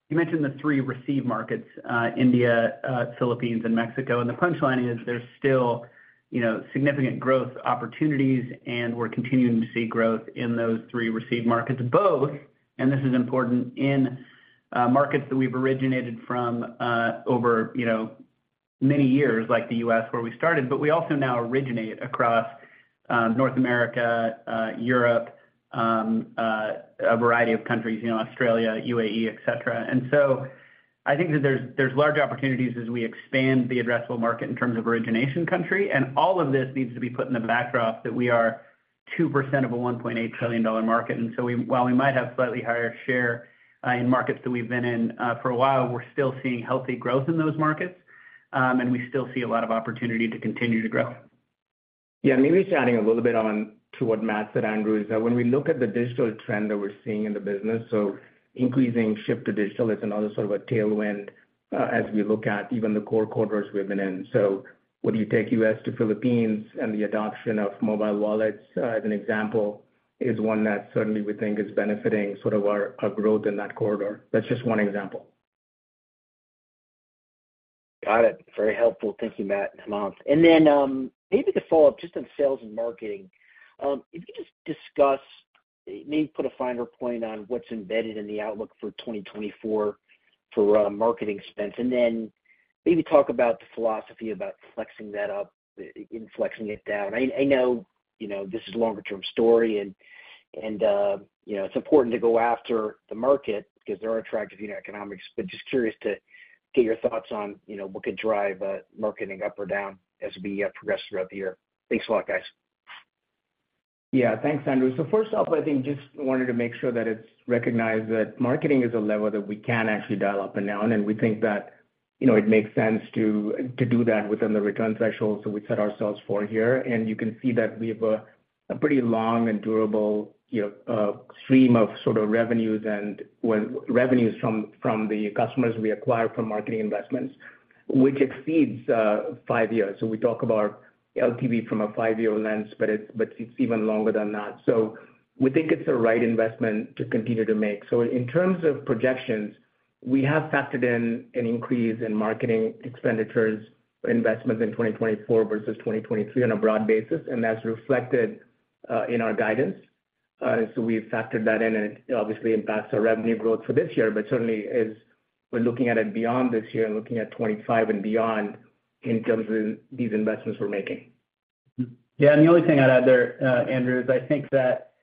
You mentioned the three receive markets, India, Philippines, and Mexico. And the punchline is, there's still, you know, significant growth opportunities, and we're continuing to see growth in those three receive markets, both, and this is important, in markets that we've originated from, over, you know, many years, like the U.S., where we started, but we also now originate across, North America, Europe, a variety of countries, you know, Australia, UAE, et cetera. And so I think that there's, there's large opportunities as we expand the addressable market in terms of origination country. And all of this needs to be put in the backdrop that we are 2% of a $1.8 trillion market. While we might have slightly higher share in markets that we've been in for a while, we're still seeing healthy growth in those markets, and we still see a lot of opportunity to continue to grow. Yeah, maybe just adding a little bit on to what Matt said, Andrew, is that when we look at the digital trend that we're seeing in the business, so increasing shift to digital is another sort of a tailwind, as we look at even the core corridors we've been in. So whether you take US to Philippines and the adoption of mobile wallets, as an example, is one that certainly we think is benefiting sort of our, our growth in that corridor. That's just one example. Got it. Very helpful. Thank you, Matt and Hemanth. And then, maybe to follow up just on sales and marketing, if you could just discuss, maybe put a finer point on what's embedded in the outlook for 2024 for marketing expense, and then maybe talk about the philosophy about flexing that up and flexing it down. I know, you know, this is a longer-term story and, you know, it's important to go after the market because there are attractive unit economics, but just curious to get your thoughts on, you know, what could drive marketing up or down as we progress throughout the year. Thanks a lot, guys. Yeah. Thanks, Andrew. So first off, I think just wanted to make sure that it's recognized that marketing is a lever that we can actually dial up and down, and we think that, you know, it makes sense to do that within the return thresholds that we set ourselves for here. And you can see that we have a pretty long and durable, you know, stream of sort of revenues from the customers we acquire from marketing investments, which exceeds five years. So we talk about LTV from a five-year lens, but it's even longer than that. So we think it's the right investment to continue to make. In terms of projections, we have factored in an increase in marketing expenditures or investments in 2024 versus 2023 on a broad basis, and that's reflected in our guidance. So we've factored that in, and it obviously impacts our revenue growth for this year. But certainly, as we're looking at it beyond this year, looking at 2025 and beyond, in terms of these investments we're making. Yeah, and the only thing I'd add there, Andrew, is I think that,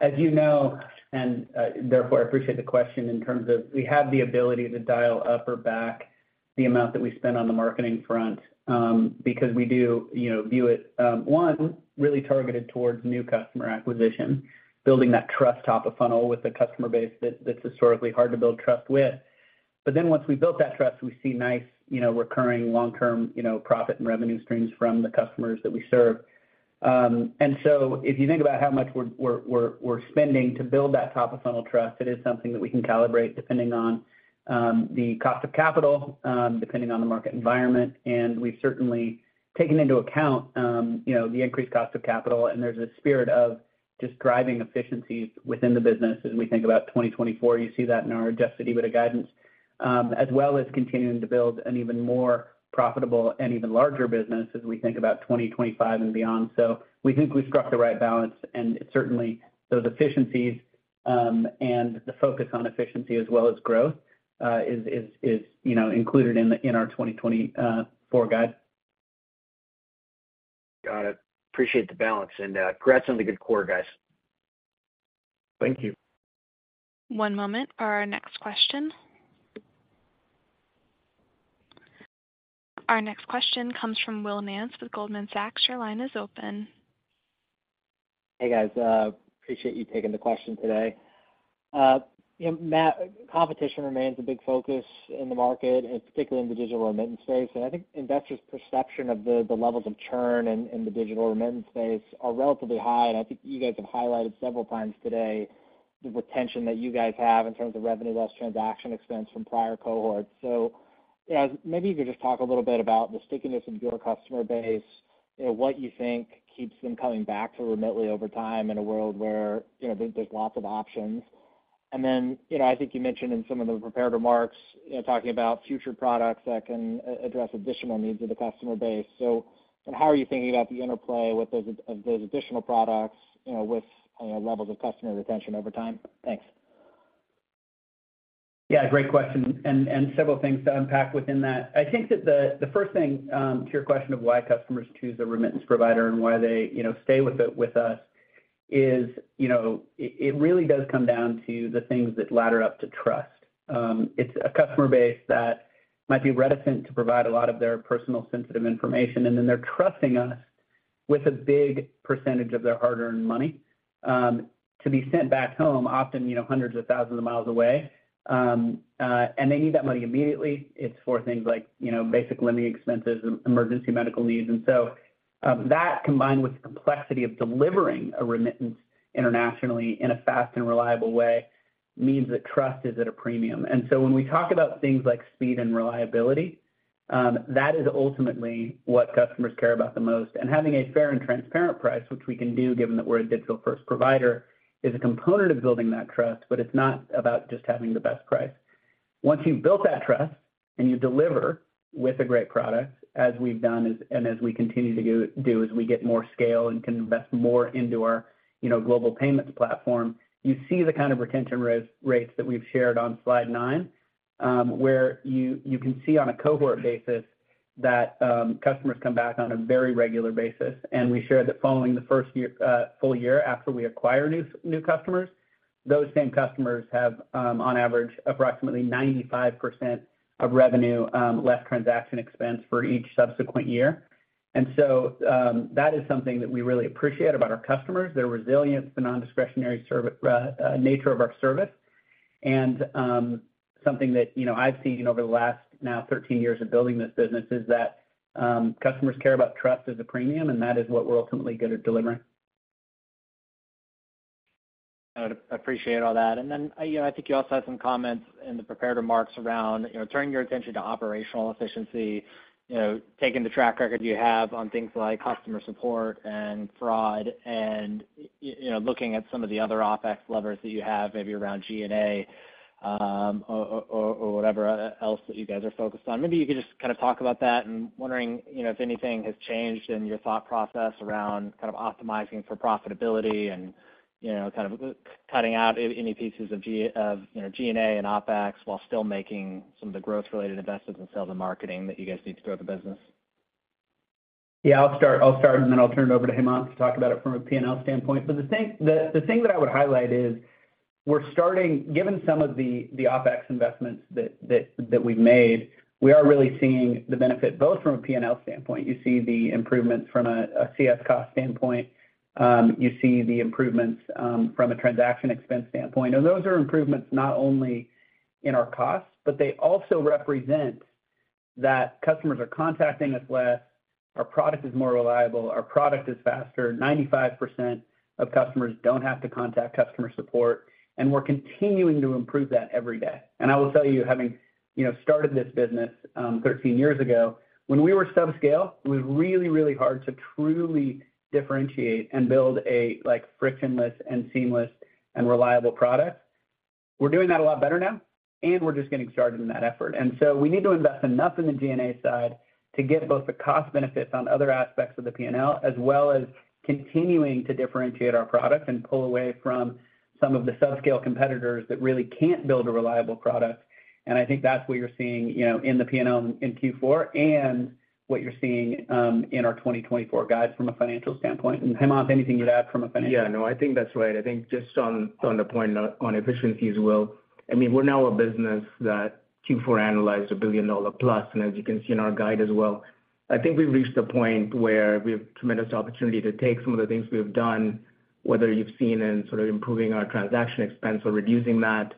as you know, and, therefore, I appreciate the question in terms of, we have the ability to dial up or back the amount that we spend on the marketing front, because we do, you know, view it really targeted towards new customer acquisition, building that trust top of funnel with a customer base that's historically hard to build trust with. But then once we've built that trust, we see nice, you know, recurring long-term, you know, profit and revenue streams from the customers that we serve. And so if you think about how much we're spending to build that top-of-funnel trust, it is something that we can calibrate depending on the cost of capital, depending on the market environment. We've certainly taken into account, you know, the increased cost of capital, and there's a spirit of just driving efficiencies within the business as we think about 2024. You see that in our Adjusted EBITDA guidance, as well as continuing to build an even more profitable and even larger business as we think about 2025 and beyond. We think we've struck the right balance, and certainly, those efficiencies, and the focus on efficiency as well as growth, you know, included in our 2024 guide. Got it. Appreciate the balance, and congrats on the good quarter, guys. Thank you. One moment for our next question. Our next question comes from Will Nance with Goldman Sachs. Your line is open. Hey, guys, appreciate you taking the question today. You know, Matt, competition remains a big focus in the market, and particularly in the digital remittance space. I think investors' perception of the levels of churn in the digital remittance space are relatively high. I think you guys have highlighted several times today, the retention that you guys have in terms of revenue, less transaction expense from prior cohorts. So, yeah, maybe you could just talk a little bit about the stickiness of your customer base, you know, what you think keeps them coming back to Remitly over time, in a world where, you know, there's lots of options. Then, you know, I think you mentioned in some of the prepared remarks, you know, talking about future products that can address additional needs of the customer base. How are you thinking about the interplay of those additional products, you know, with levels of customer retention over time? Thanks. Yeah, great question, and several things to unpack within that. I think that the first thing to your question of why customers choose a remittance provider and why they, you know, stay with it-with us is, you know, it really does come down to the things that ladder up to trust. It's a customer base that might be reticent to provide a lot of their personal, sensitive information, and then they're trusting us with a big percentage of their hard-earned money to be sent back home often, you know, hundreds of thousands of miles away. And they need that money immediately. It's for things like, you know, basic living expenses, emergency medical needs. And so, that combined with the complexity of delivering a remittance internationally in a fast and reliable way, means that trust is at a premium. And so when we talk about things like speed and reliability, that is ultimately what customers care about the most. And having a fair and transparent price, which we can do, given that we're a digital-first provider, is a component of building that trust, but it's not about just having the best price. Once you've built that trust and you deliver with a great product, as we've done and as we continue to do, as we get more scale and can invest more into our, you know, global payments platform, you see the kind of retention rates that we've shared on slide nine, where you can see on a cohort basis, that customers come back on a very regular basis. We shared that following the first year, full year after we acquire new customers, those same customers have, on average, approximately 95% of revenue less transaction expense for each subsequent year. So, that is something that we really appreciate about our customers, their resilience to non-discretionary service nature of our service. Something that, you know, I've seen over the last now 13 years of building this business, is that customers care about trust as a premium, and that is what we're ultimately good at delivering. I would appreciate all that. And then, you know, I think you also had some comments in the prepared remarks around, you know, turning your attention to operational efficiency, you know, taking the track record you have on things like customer support and fraud, and, you know, looking at some of the other OpEx levers that you have, maybe around G&A, or whatever else that you guys are focused on. Maybe you could just kind of talk about that. And wondering, you know, if anything has changed in your thought process around kind of optimizing for profitability and, you know, kind of cutting out any pieces of G&A and OpEx, while still making some of the growth-related investments in sales and marketing that you guys need to grow the business. Yeah, I'll start. I'll start, and then I'll turn it over to Hemanth to talk about it from a P&L standpoint. But the thing that I would highlight is, we're starting. Given some of the OpEx investments that we've made, we are really seeing the benefit, both from a P&L standpoint, you see the improvements from a CS cost standpoint, you see the improvements from a transaction expense standpoint. And those are improvements not only in our costs, but they also represent that customers are contacting us less, our product is more reliable, our product is faster. 95% of customers don't have to contact customer support, and we're continuing to improve that every day. And I will tell you, having, you know, started this business, 13 years ago, when we were subscale, it was really, really hard to truly differentiate and build a, like, frictionless and seamless and reliable product.... We're doing that a lot better now, and we're just getting started in that effort. And so we need to invest enough in the G&A side to get both the cost benefits on other aspects of the P&L, as well as continuing to differentiate our product and pull away from some of the subscale competitors that really can't build a reliable product. And I think that's what you're seeing, you know, in the P&L in Q4, and what you're seeing in our 2024 guides from a financial standpoint. And Hemanth, anything you'd add from a financial? Yeah, no, I think that's right. I think just on the point on efficiencies, Will, I mean, we're now a business that Q4 annualized $1 billion plus, and as you can see in our guide as well. I think we've reached the point where we have tremendous opportunity to take some of the things we've done, whether you've seen in sort of improving our transaction expense or reducing that,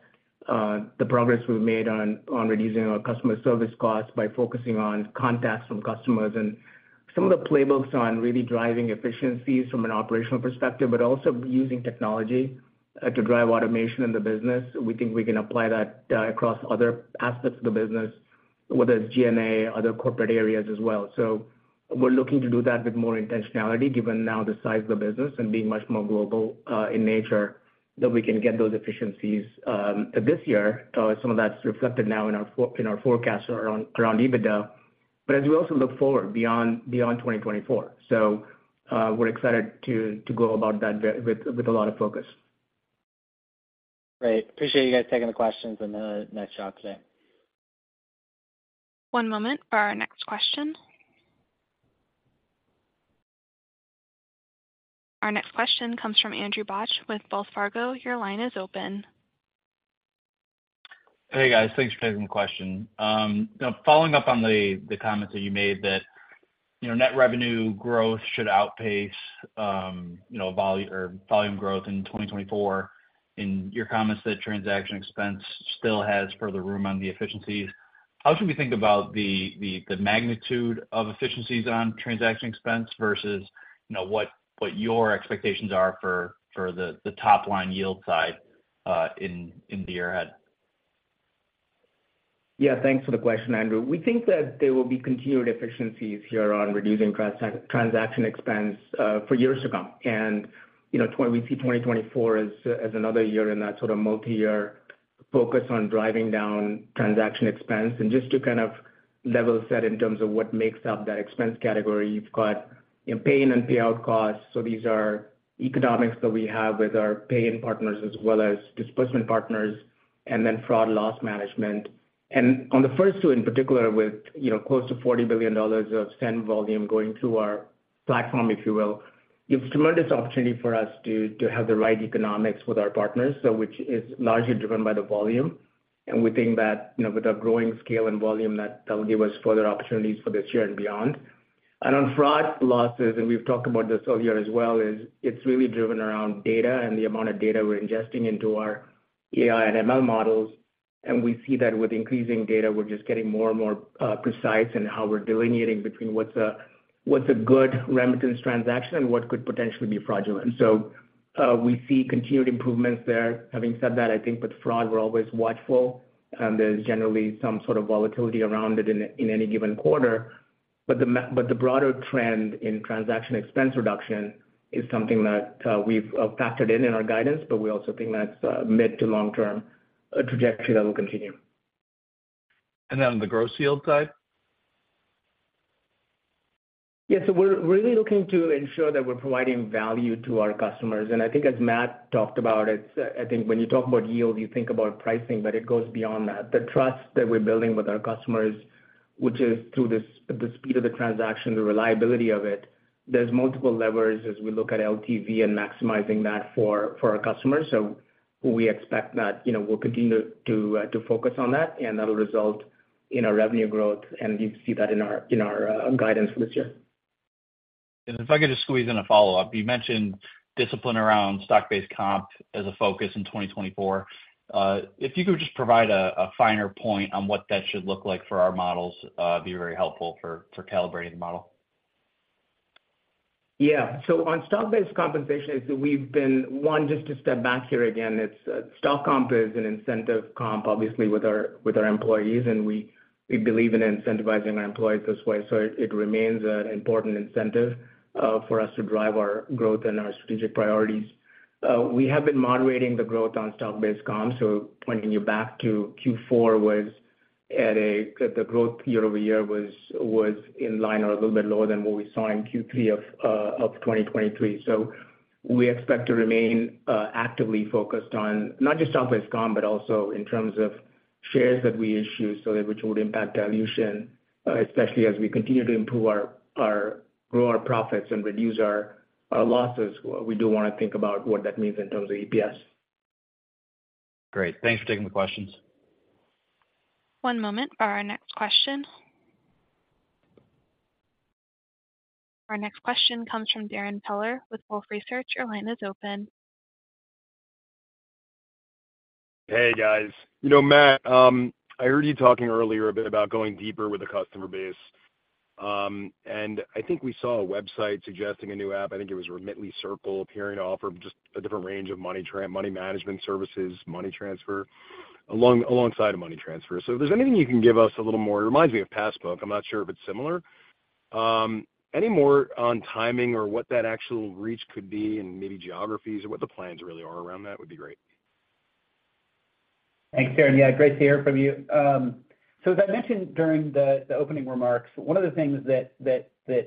the progress we've made on reducing our customer service costs by focusing on contacts from customers. And some of the playbooks on really driving efficiencies from an operational perspective, but also using technology to drive automation in the business. We think we can apply that across other aspects of the business, whether it's G&A, other corporate areas as well. So we're looking to do that with more intentionality, given now the size of the business and being much more global, in nature, that we can get those efficiencies, this year. Some of that's reflected now in our forecast around EBITDA, but as we also look forward beyond 2024. So, we're excited to go about that with a lot of focus. Great. Appreciate you guys taking the questions, and nice job today. One moment for our next question. Our next question comes from Andrew Bauch with Wells Fargo. Your line is open. Hey, guys. Thanks for taking the question. Now following up on the comments that you made, that you know, net revenue growth should outpace you know, volume growth in 2024, in your comments that transaction expense still has further room on the efficiencies. How should we think about the magnitude of efficiencies on transaction expense versus you know, what your expectations are for the top line yield side in the year ahead? Yeah, thanks for the question, Andrew. We think that there will be continued efficiencies here on reducing transaction expense for years to come. You know, we see 2024 as another year in that sort of multi-year focus on driving down transaction expense. Just to kind of level set in terms of what makes up that expense category, you've got, you know, pay-in and payout costs. So these are economics that we have with our pay-in partners, as well as disbursement partners, and then fraud loss management. On the first two, in particular, with, you know, close to $40 billion of send volume going through our platform, if you will, gives tremendous opportunity for us to have the right economics with our partners, so which is largely driven by the volume. We think that, you know, with our growing scale and volume, that will give us further opportunities for this year and beyond. On fraud losses, and we've talked about this earlier as well, is it's really driven around data and the amount of data we're ingesting into our AI and ML models. We see that with increasing data, we're just getting more and more precise in how we're delineating between what's a good remittance transaction and what could potentially be fraudulent. So, we see continued improvements there. Having said that, I think with fraud, we're always watchful, and there's generally some sort of volatility around it in any given quarter. But the broader trend in Transaction Expense reduction is something that we've factored in our guidance, but we also think that's a mid- to long-term trajectory that will continue. And then on the gross yield side? Yeah, so we're really looking to ensure that we're providing value to our customers. And I think as Matt talked about, it's, I think when you talk about yield, you think about pricing, but it goes beyond that. The trust that we're building with our customers, which is through this, the speed of the transaction, the reliability of it, there's multiple levers as we look at LTV and maximizing that for, for our customers. So we expect that, you know, we'll continue to, to focus on that, and that'll result in our revenue growth, and you see that in our, in our, guidance for this year. If I could just squeeze in a follow-up. You mentioned discipline around stock-based comp as a focus in 2024. If you could just provide a finer point on what that should look like for our models, it'd be very helpful for calibrating the model. Yeah. So on stock-based compensation, we've been... One, just to step back here again, it's, stock comp is an incentive comp, obviously, with our, with our employees, and we, we believe in incentivizing our employees this way, so it, it remains an important incentive, for us to drive our growth and our strategic priorities. We have been moderating the growth on stock-based comp, so pointing you back to Q4 was at a the growth year-over-year was, was in line or a little bit lower than what we saw in Q3 of, of 2023. So we expect to remain, actively focused on not just stock-based comp, but also in terms of shares that we issue, so which would impact dilution, especially as we continue to improve our, our grow our profits and reduce our, our losses. We do wanna think about what that means in terms of EPS. Great. Thanks for taking the questions. One moment for our next question. Our next question comes from Darrin Peller with Wolfe Research. Your line is open. Hey, guys. You know, Matt, I heard you talking earlier a bit about going deeper with the customer base. I think we saw a website suggesting a new app. I think it was Remitly Circle, appearing to offer just a different range of money management services, money transfer. Alongside of money transfer. So if there's anything you can give us a little more, it reminds me of Passbook. I'm not sure if it's similar. Any more on timing or what that actual reach could be, and maybe geographies or what the plans really are around that would be great. Thanks, Darrin. Yeah, great to hear from you. So as I mentioned during the opening remarks, one of the things that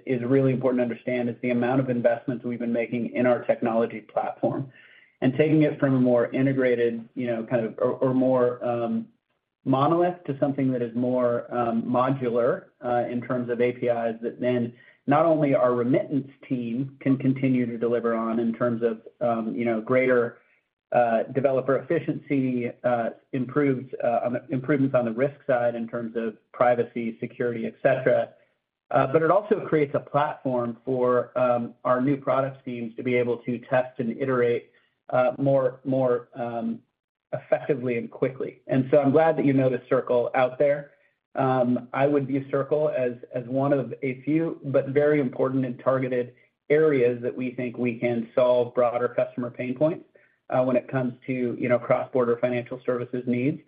is really important to understand is the amount of investments we've been making in our technology platform. And taking it from a more integrated, you know, kind of or more monolith to something that is more modular in terms of APIs, that then not only our remittance team can continue to deliver on in terms of you know, greater developer efficiency, improvements on the risk side in terms of privacy, security, et cetera. But it also creates a platform for our new product teams to be able to test and iterate more effectively and quickly. And so I'm glad that you know the Circle out there. I would view Circle as, as one of a few, but very important and targeted areas that we think we can solve broader customer pain points, when it comes to, you know, cross-border financial services needs.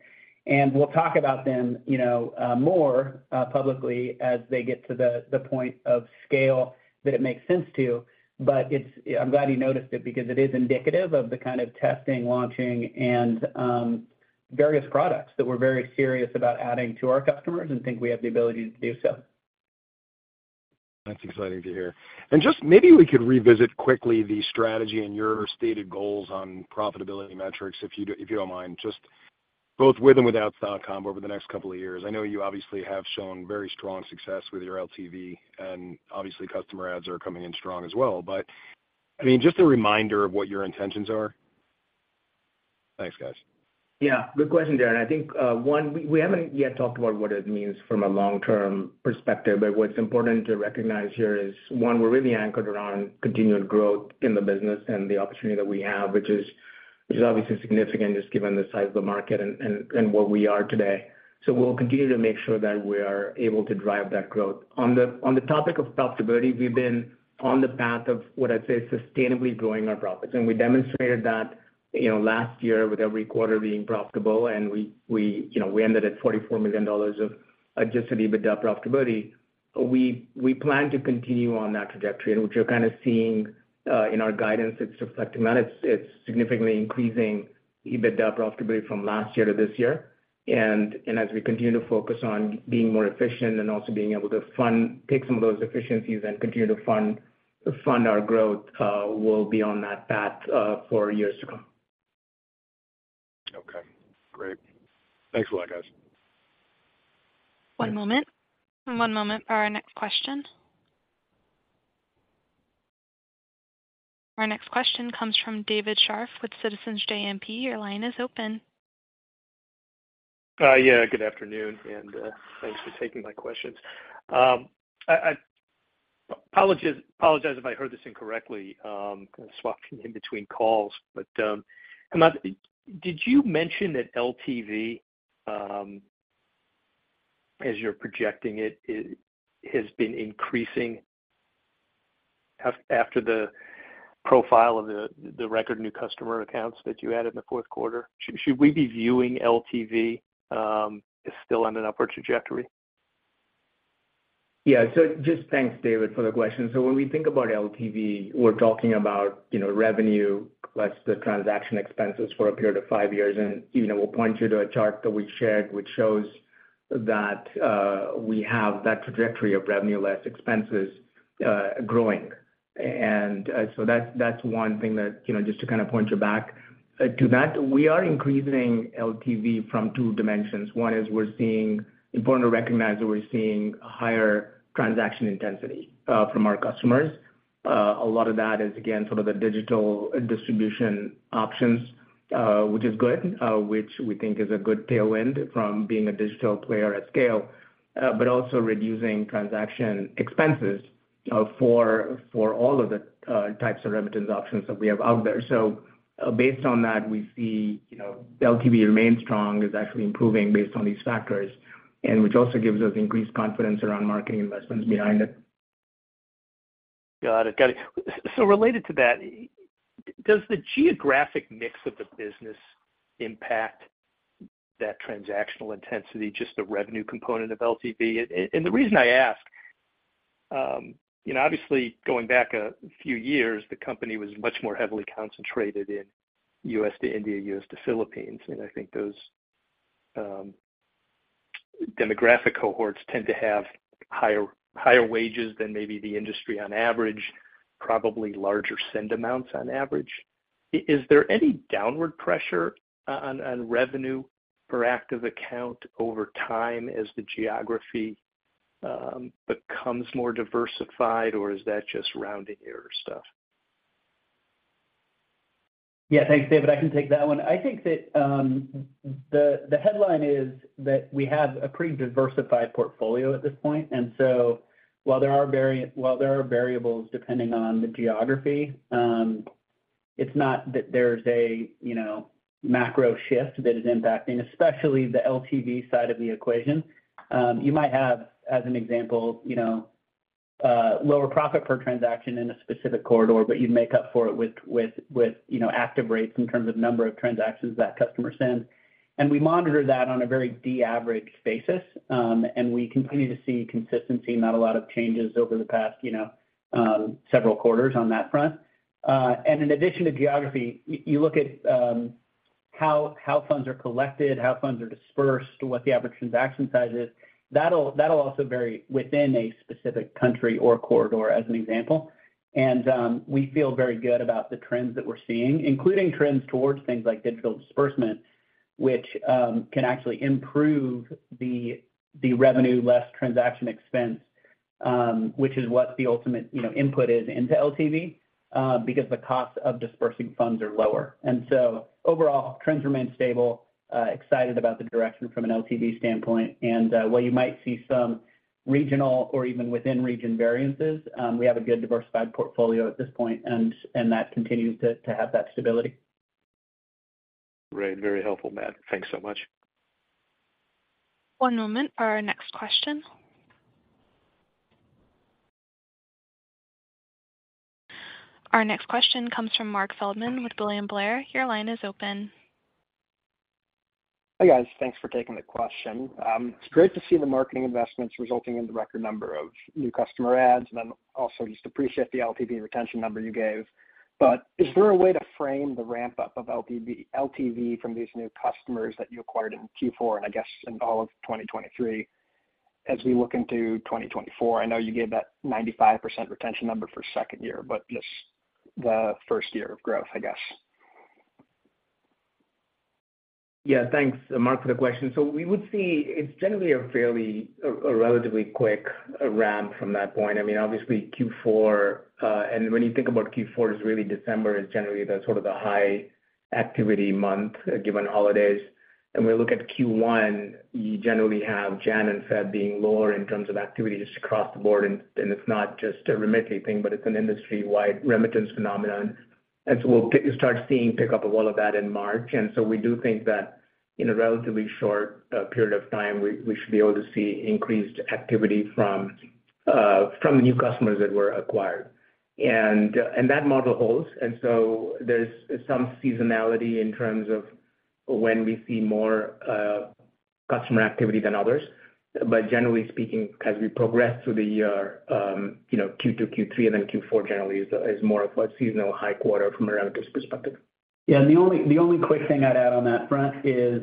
And we'll talk about them, you know, more publicly as they get to the point of scale that it makes sense to. But it's- I'm glad you noticed it, because it is indicative of the kind of testing, launching, and various products that we're very serious about adding to our customers and think we have the ability to do so. That's exciting to hear. Just maybe we could revisit quickly the strategy and your stated goals on profitability metrics, if you don't mind. Just both with and without stock comp over the next couple of years. I know you obviously have shown very strong success with your LTV, and obviously, customer adds are coming in strong as well. But, I mean, just a reminder of what your intentions are. Thanks, guys. Yeah, good question, Darrin. I think, one, we haven't yet talked about what it means from a long-term perspective, but what's important to recognize here is, one, we're really anchored around continued growth in the business and the opportunity that we have, which is obviously significant, just given the size of the market and where we are today. So we'll continue to make sure that we are able to drive that growth. On the topic of profitability, we've been on the path of what I'd say, sustainably growing our profits. And we demonstrated that, you know, last year with every quarter being profitable, and we, you know, we ended at $44 million of adjusted EBITDA profitability. We plan to continue on that trajectory, and which you're kind of seeing in our guidance, it's reflecting that. It's significantly increasing EBITDA profitability from last year to this year. And as we continue to focus on being more efficient and also being able to fund, take some of those efficiencies and continue to fund our growth, we'll be on that path for years to come. Okay, great. Thanks a lot, guys. One moment. One moment for our next question. Our next question comes from David Scharf with Citizens JMP. Your line is open. Yeah, good afternoon, and thanks for taking my questions. I apologize if I heard this incorrectly, kind of swapping in between calls. But Hemanth, did you mention that LTV, as you're projecting it, it has been increasing after the profile of the record new customer accounts that you had in the fourth quarter? Should we be viewing LTV as still on an upward trajectory? Yeah, so just thanks, David, for the question. So when we think about LTV, we're talking about, you know, revenue, plus the transaction expenses for a period of five years. And, you know, we'll point you to a chart that we shared, which shows that, we have that trajectory of revenue less expenses, growing. And, so that's, that's one thing that, you know, just to kind of point you back to that. We are increasing LTV from two dimensions. One is we're seeing important to recognize that we're seeing higher transaction intensity, from our customers. A lot of that is, again, sort of the digital distribution options, which is good, which we think is a good tailwind from being a digital player at scale. but also reducing transaction expenses for all of the types of remittance options that we have out there. So based on that, we see, you know, LTV remains strong, is actually improving based on these factors, and which also gives us increased confidence around marketing investments behind it. Got it. Got it. So related to that, does the geographic mix of the business impact that transactional intensity, just the revenue component of LTV? And the reason I ask, you know, obviously, going back a few years, the company was much more heavily concentrated in U.S. to India, U.S. to Philippines, and I think those demographic cohorts tend to have higher, higher wages than maybe the industry on average, probably larger send amounts on average. Is there any downward pressure on revenue per active account over time as the geography becomes more diversified, or is that just rounding error stuff? Yeah. Thanks, David. I can take that one. I think that the headline is that we have a pretty diversified portfolio at this point, and so while there are variables, depending on the geography, it's not that there's a you know macro shift that is impacting, especially the LTV side of the equation. You might have, as an example, you know lower profit per transaction in a specific corridor, but you'd make up for it with you know active rates in terms of number of transactions that customers send. And we monitor that on a very de-averaged basis, and we continue to see consistency, not a lot of changes over the past you know several quarters on that front. And in addition to geography, you look at how funds are collected, how funds are disbursed, what the average transaction size is. That'll also vary within a specific country or Corridor, as an example. And we feel very good about the trends that we're seeing, including trends towards things like Digital Disbursement, which can actually improve the revenue less transaction expense, which is what the ultimate, you know, input is into LTV, because the cost of disbursing funds are lower. And so overall, trends remain stable, excited about the direction from an LTV standpoint. And while you might see some regional or even within region variances, we have a good diversified portfolio at this point, and that continues to have that stability. Great. Very helpful, Matt. Thanks so much. One moment for our next question. Our next question comes from Mark Feldman with William Blair. Your line is open. Hi, guys. Thanks for taking the question. It's great to see the marketing investments resulting in the record number of new customer adds, and then also just appreciate the LTV retention number you gave. But is there a way to frame the ramp-up of LTV from these new customers that you acquired in Q4, and I guess in all of 2023, as we look into 2024? I know you gave that 95% retention number for second year, but just the first year of growth, I guess. Yeah, thanks, Mark, for the question. So we would see it's generally a fairly relatively quick ramp from that point. I mean, obviously Q4, and when you think about Q4, is really December, is generally the sort of the high activity month, given holidays. And we look at Q1, you generally have January and February being lower in terms of activities across the board, and it's not just a Remitly thing, but it's an industry-wide remittance phenomenon. And so we'll start seeing pickup of all of that in March. And so we do think that in a relatively short period of time, we should be able to see increased activity from the new customers that were acquired. And that model holds, and so there's some seasonality in terms of when we see more customer activity than others. Generally speaking, as we progress through the year, you know, Q2, Q3, and then Q4 generally is more of a seasonal high quarter from a remittance perspective. Yeah, and the only quick thing I'd add on that front is,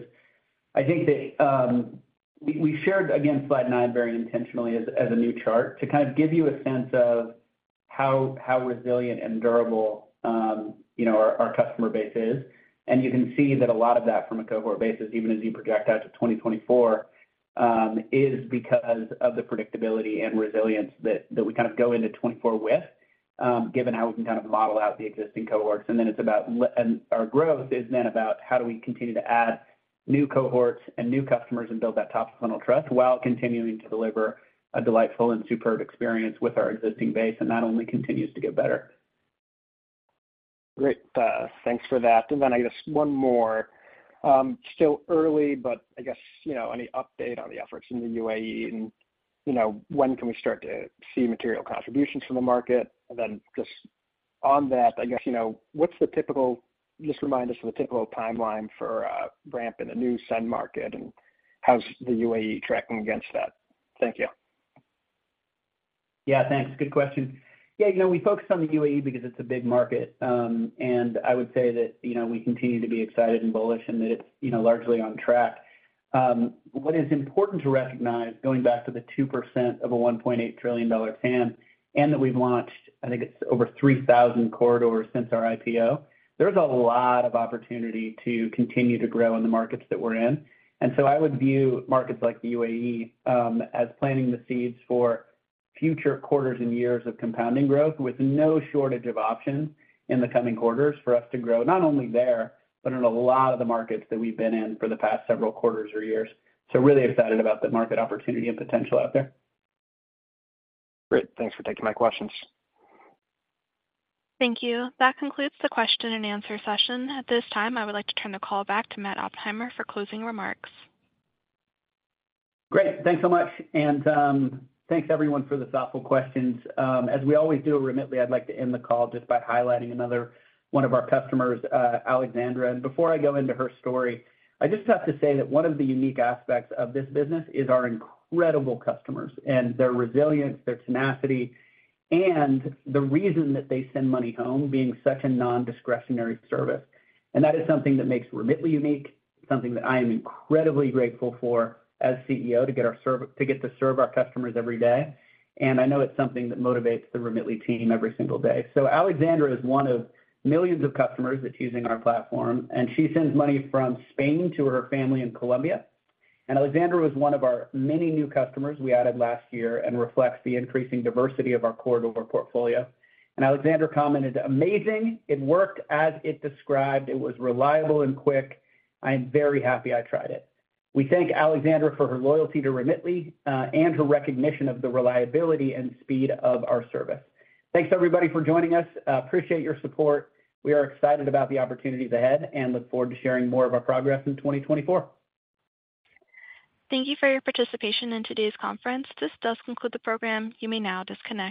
I think that we shared, again, slide 9 very intentionally as a new chart, to kind of give you a sense of how resilient and durable, you know, our customer base is. And you can see that a lot of that from a cohort basis, even as you project out to 2024, is because of the predictability and resilience that we kind of go into 2024 with, given how we can kind of model out the existing cohorts. And then it's about and our growth is then about how do we continue to add new cohorts and new customers and build that top-of-funnel trust while continuing to deliver a delightful and superb experience with our existing base, and that only continues to get better. Great. Thanks for that. And then I guess one more. Still early, but I guess, you know, any update on the efforts in the UAE, and, you know, when can we start to see material contributions from the market? And then just on that, I guess, you know, what's the typical... Just remind us of the typical timeline for a ramp in a new send market, and how's the UAE tracking against that? Thank you. Yeah, thanks. Good question. Yeah, you know, we focused on the UAE because it's a big market. And I would say that, you know, we continue to be excited and bullish, and that it's, you know, largely on track. What is important to recognize, going back to the 2% of a $1.8 trillion TAM, and that we've launched, I think, it's over 3,000 corridors since our IPO, there's a lot of opportunity to continue to grow in the markets that we're in. And so I would view markets like the UAE as planting the seeds for future quarters and years of compounding growth, with no shortage of options in the coming quarters for us to grow, not only there, but in a lot of the markets that we've been in for the past several quarters or years. Really excited about the market opportunity and potential out there. Great. Thanks for taking my questions. Thank you. That concludes the question and answer session. At this time, I would like to turn the call back to Matt Oppenheimer for closing remarks. Great. Thanks so much, and thanks, everyone, for the thoughtful questions. As we always do at Remitly, I'd like to end the call just by highlighting another one of our customers, Alexandra. And before I go into her story, I just have to say that one of the unique aspects of this business is our incredible customers and their resilience, their tenacity, and the reason that they send money home being such a non-discretionary service. And that is something that makes Remitly unique, something that I am incredibly grateful for as CEO, to get to serve our customers every day. And I know it's something that motivates the Remitly team every single day. So Alexandra is one of millions of customers that's using our platform, and she sends money from Spain to her family in Colombia. Alexandra was one of our many new customers we added last year and reflects the increasing diversity of our corridor portfolio. Alexandra commented, "Amazing. It worked as it described. It was reliable and quick. I am very happy I tried it." We thank Alexandra for her loyalty to Remitly and her recognition of the reliability and speed of our service. Thanks, everybody, for joining us. Appreciate your support. We are excited about the opportunities ahead and look forward to sharing more of our progress in 2024. Thank you for your participation in today's conference. This does conclude the program. You may now disconnect.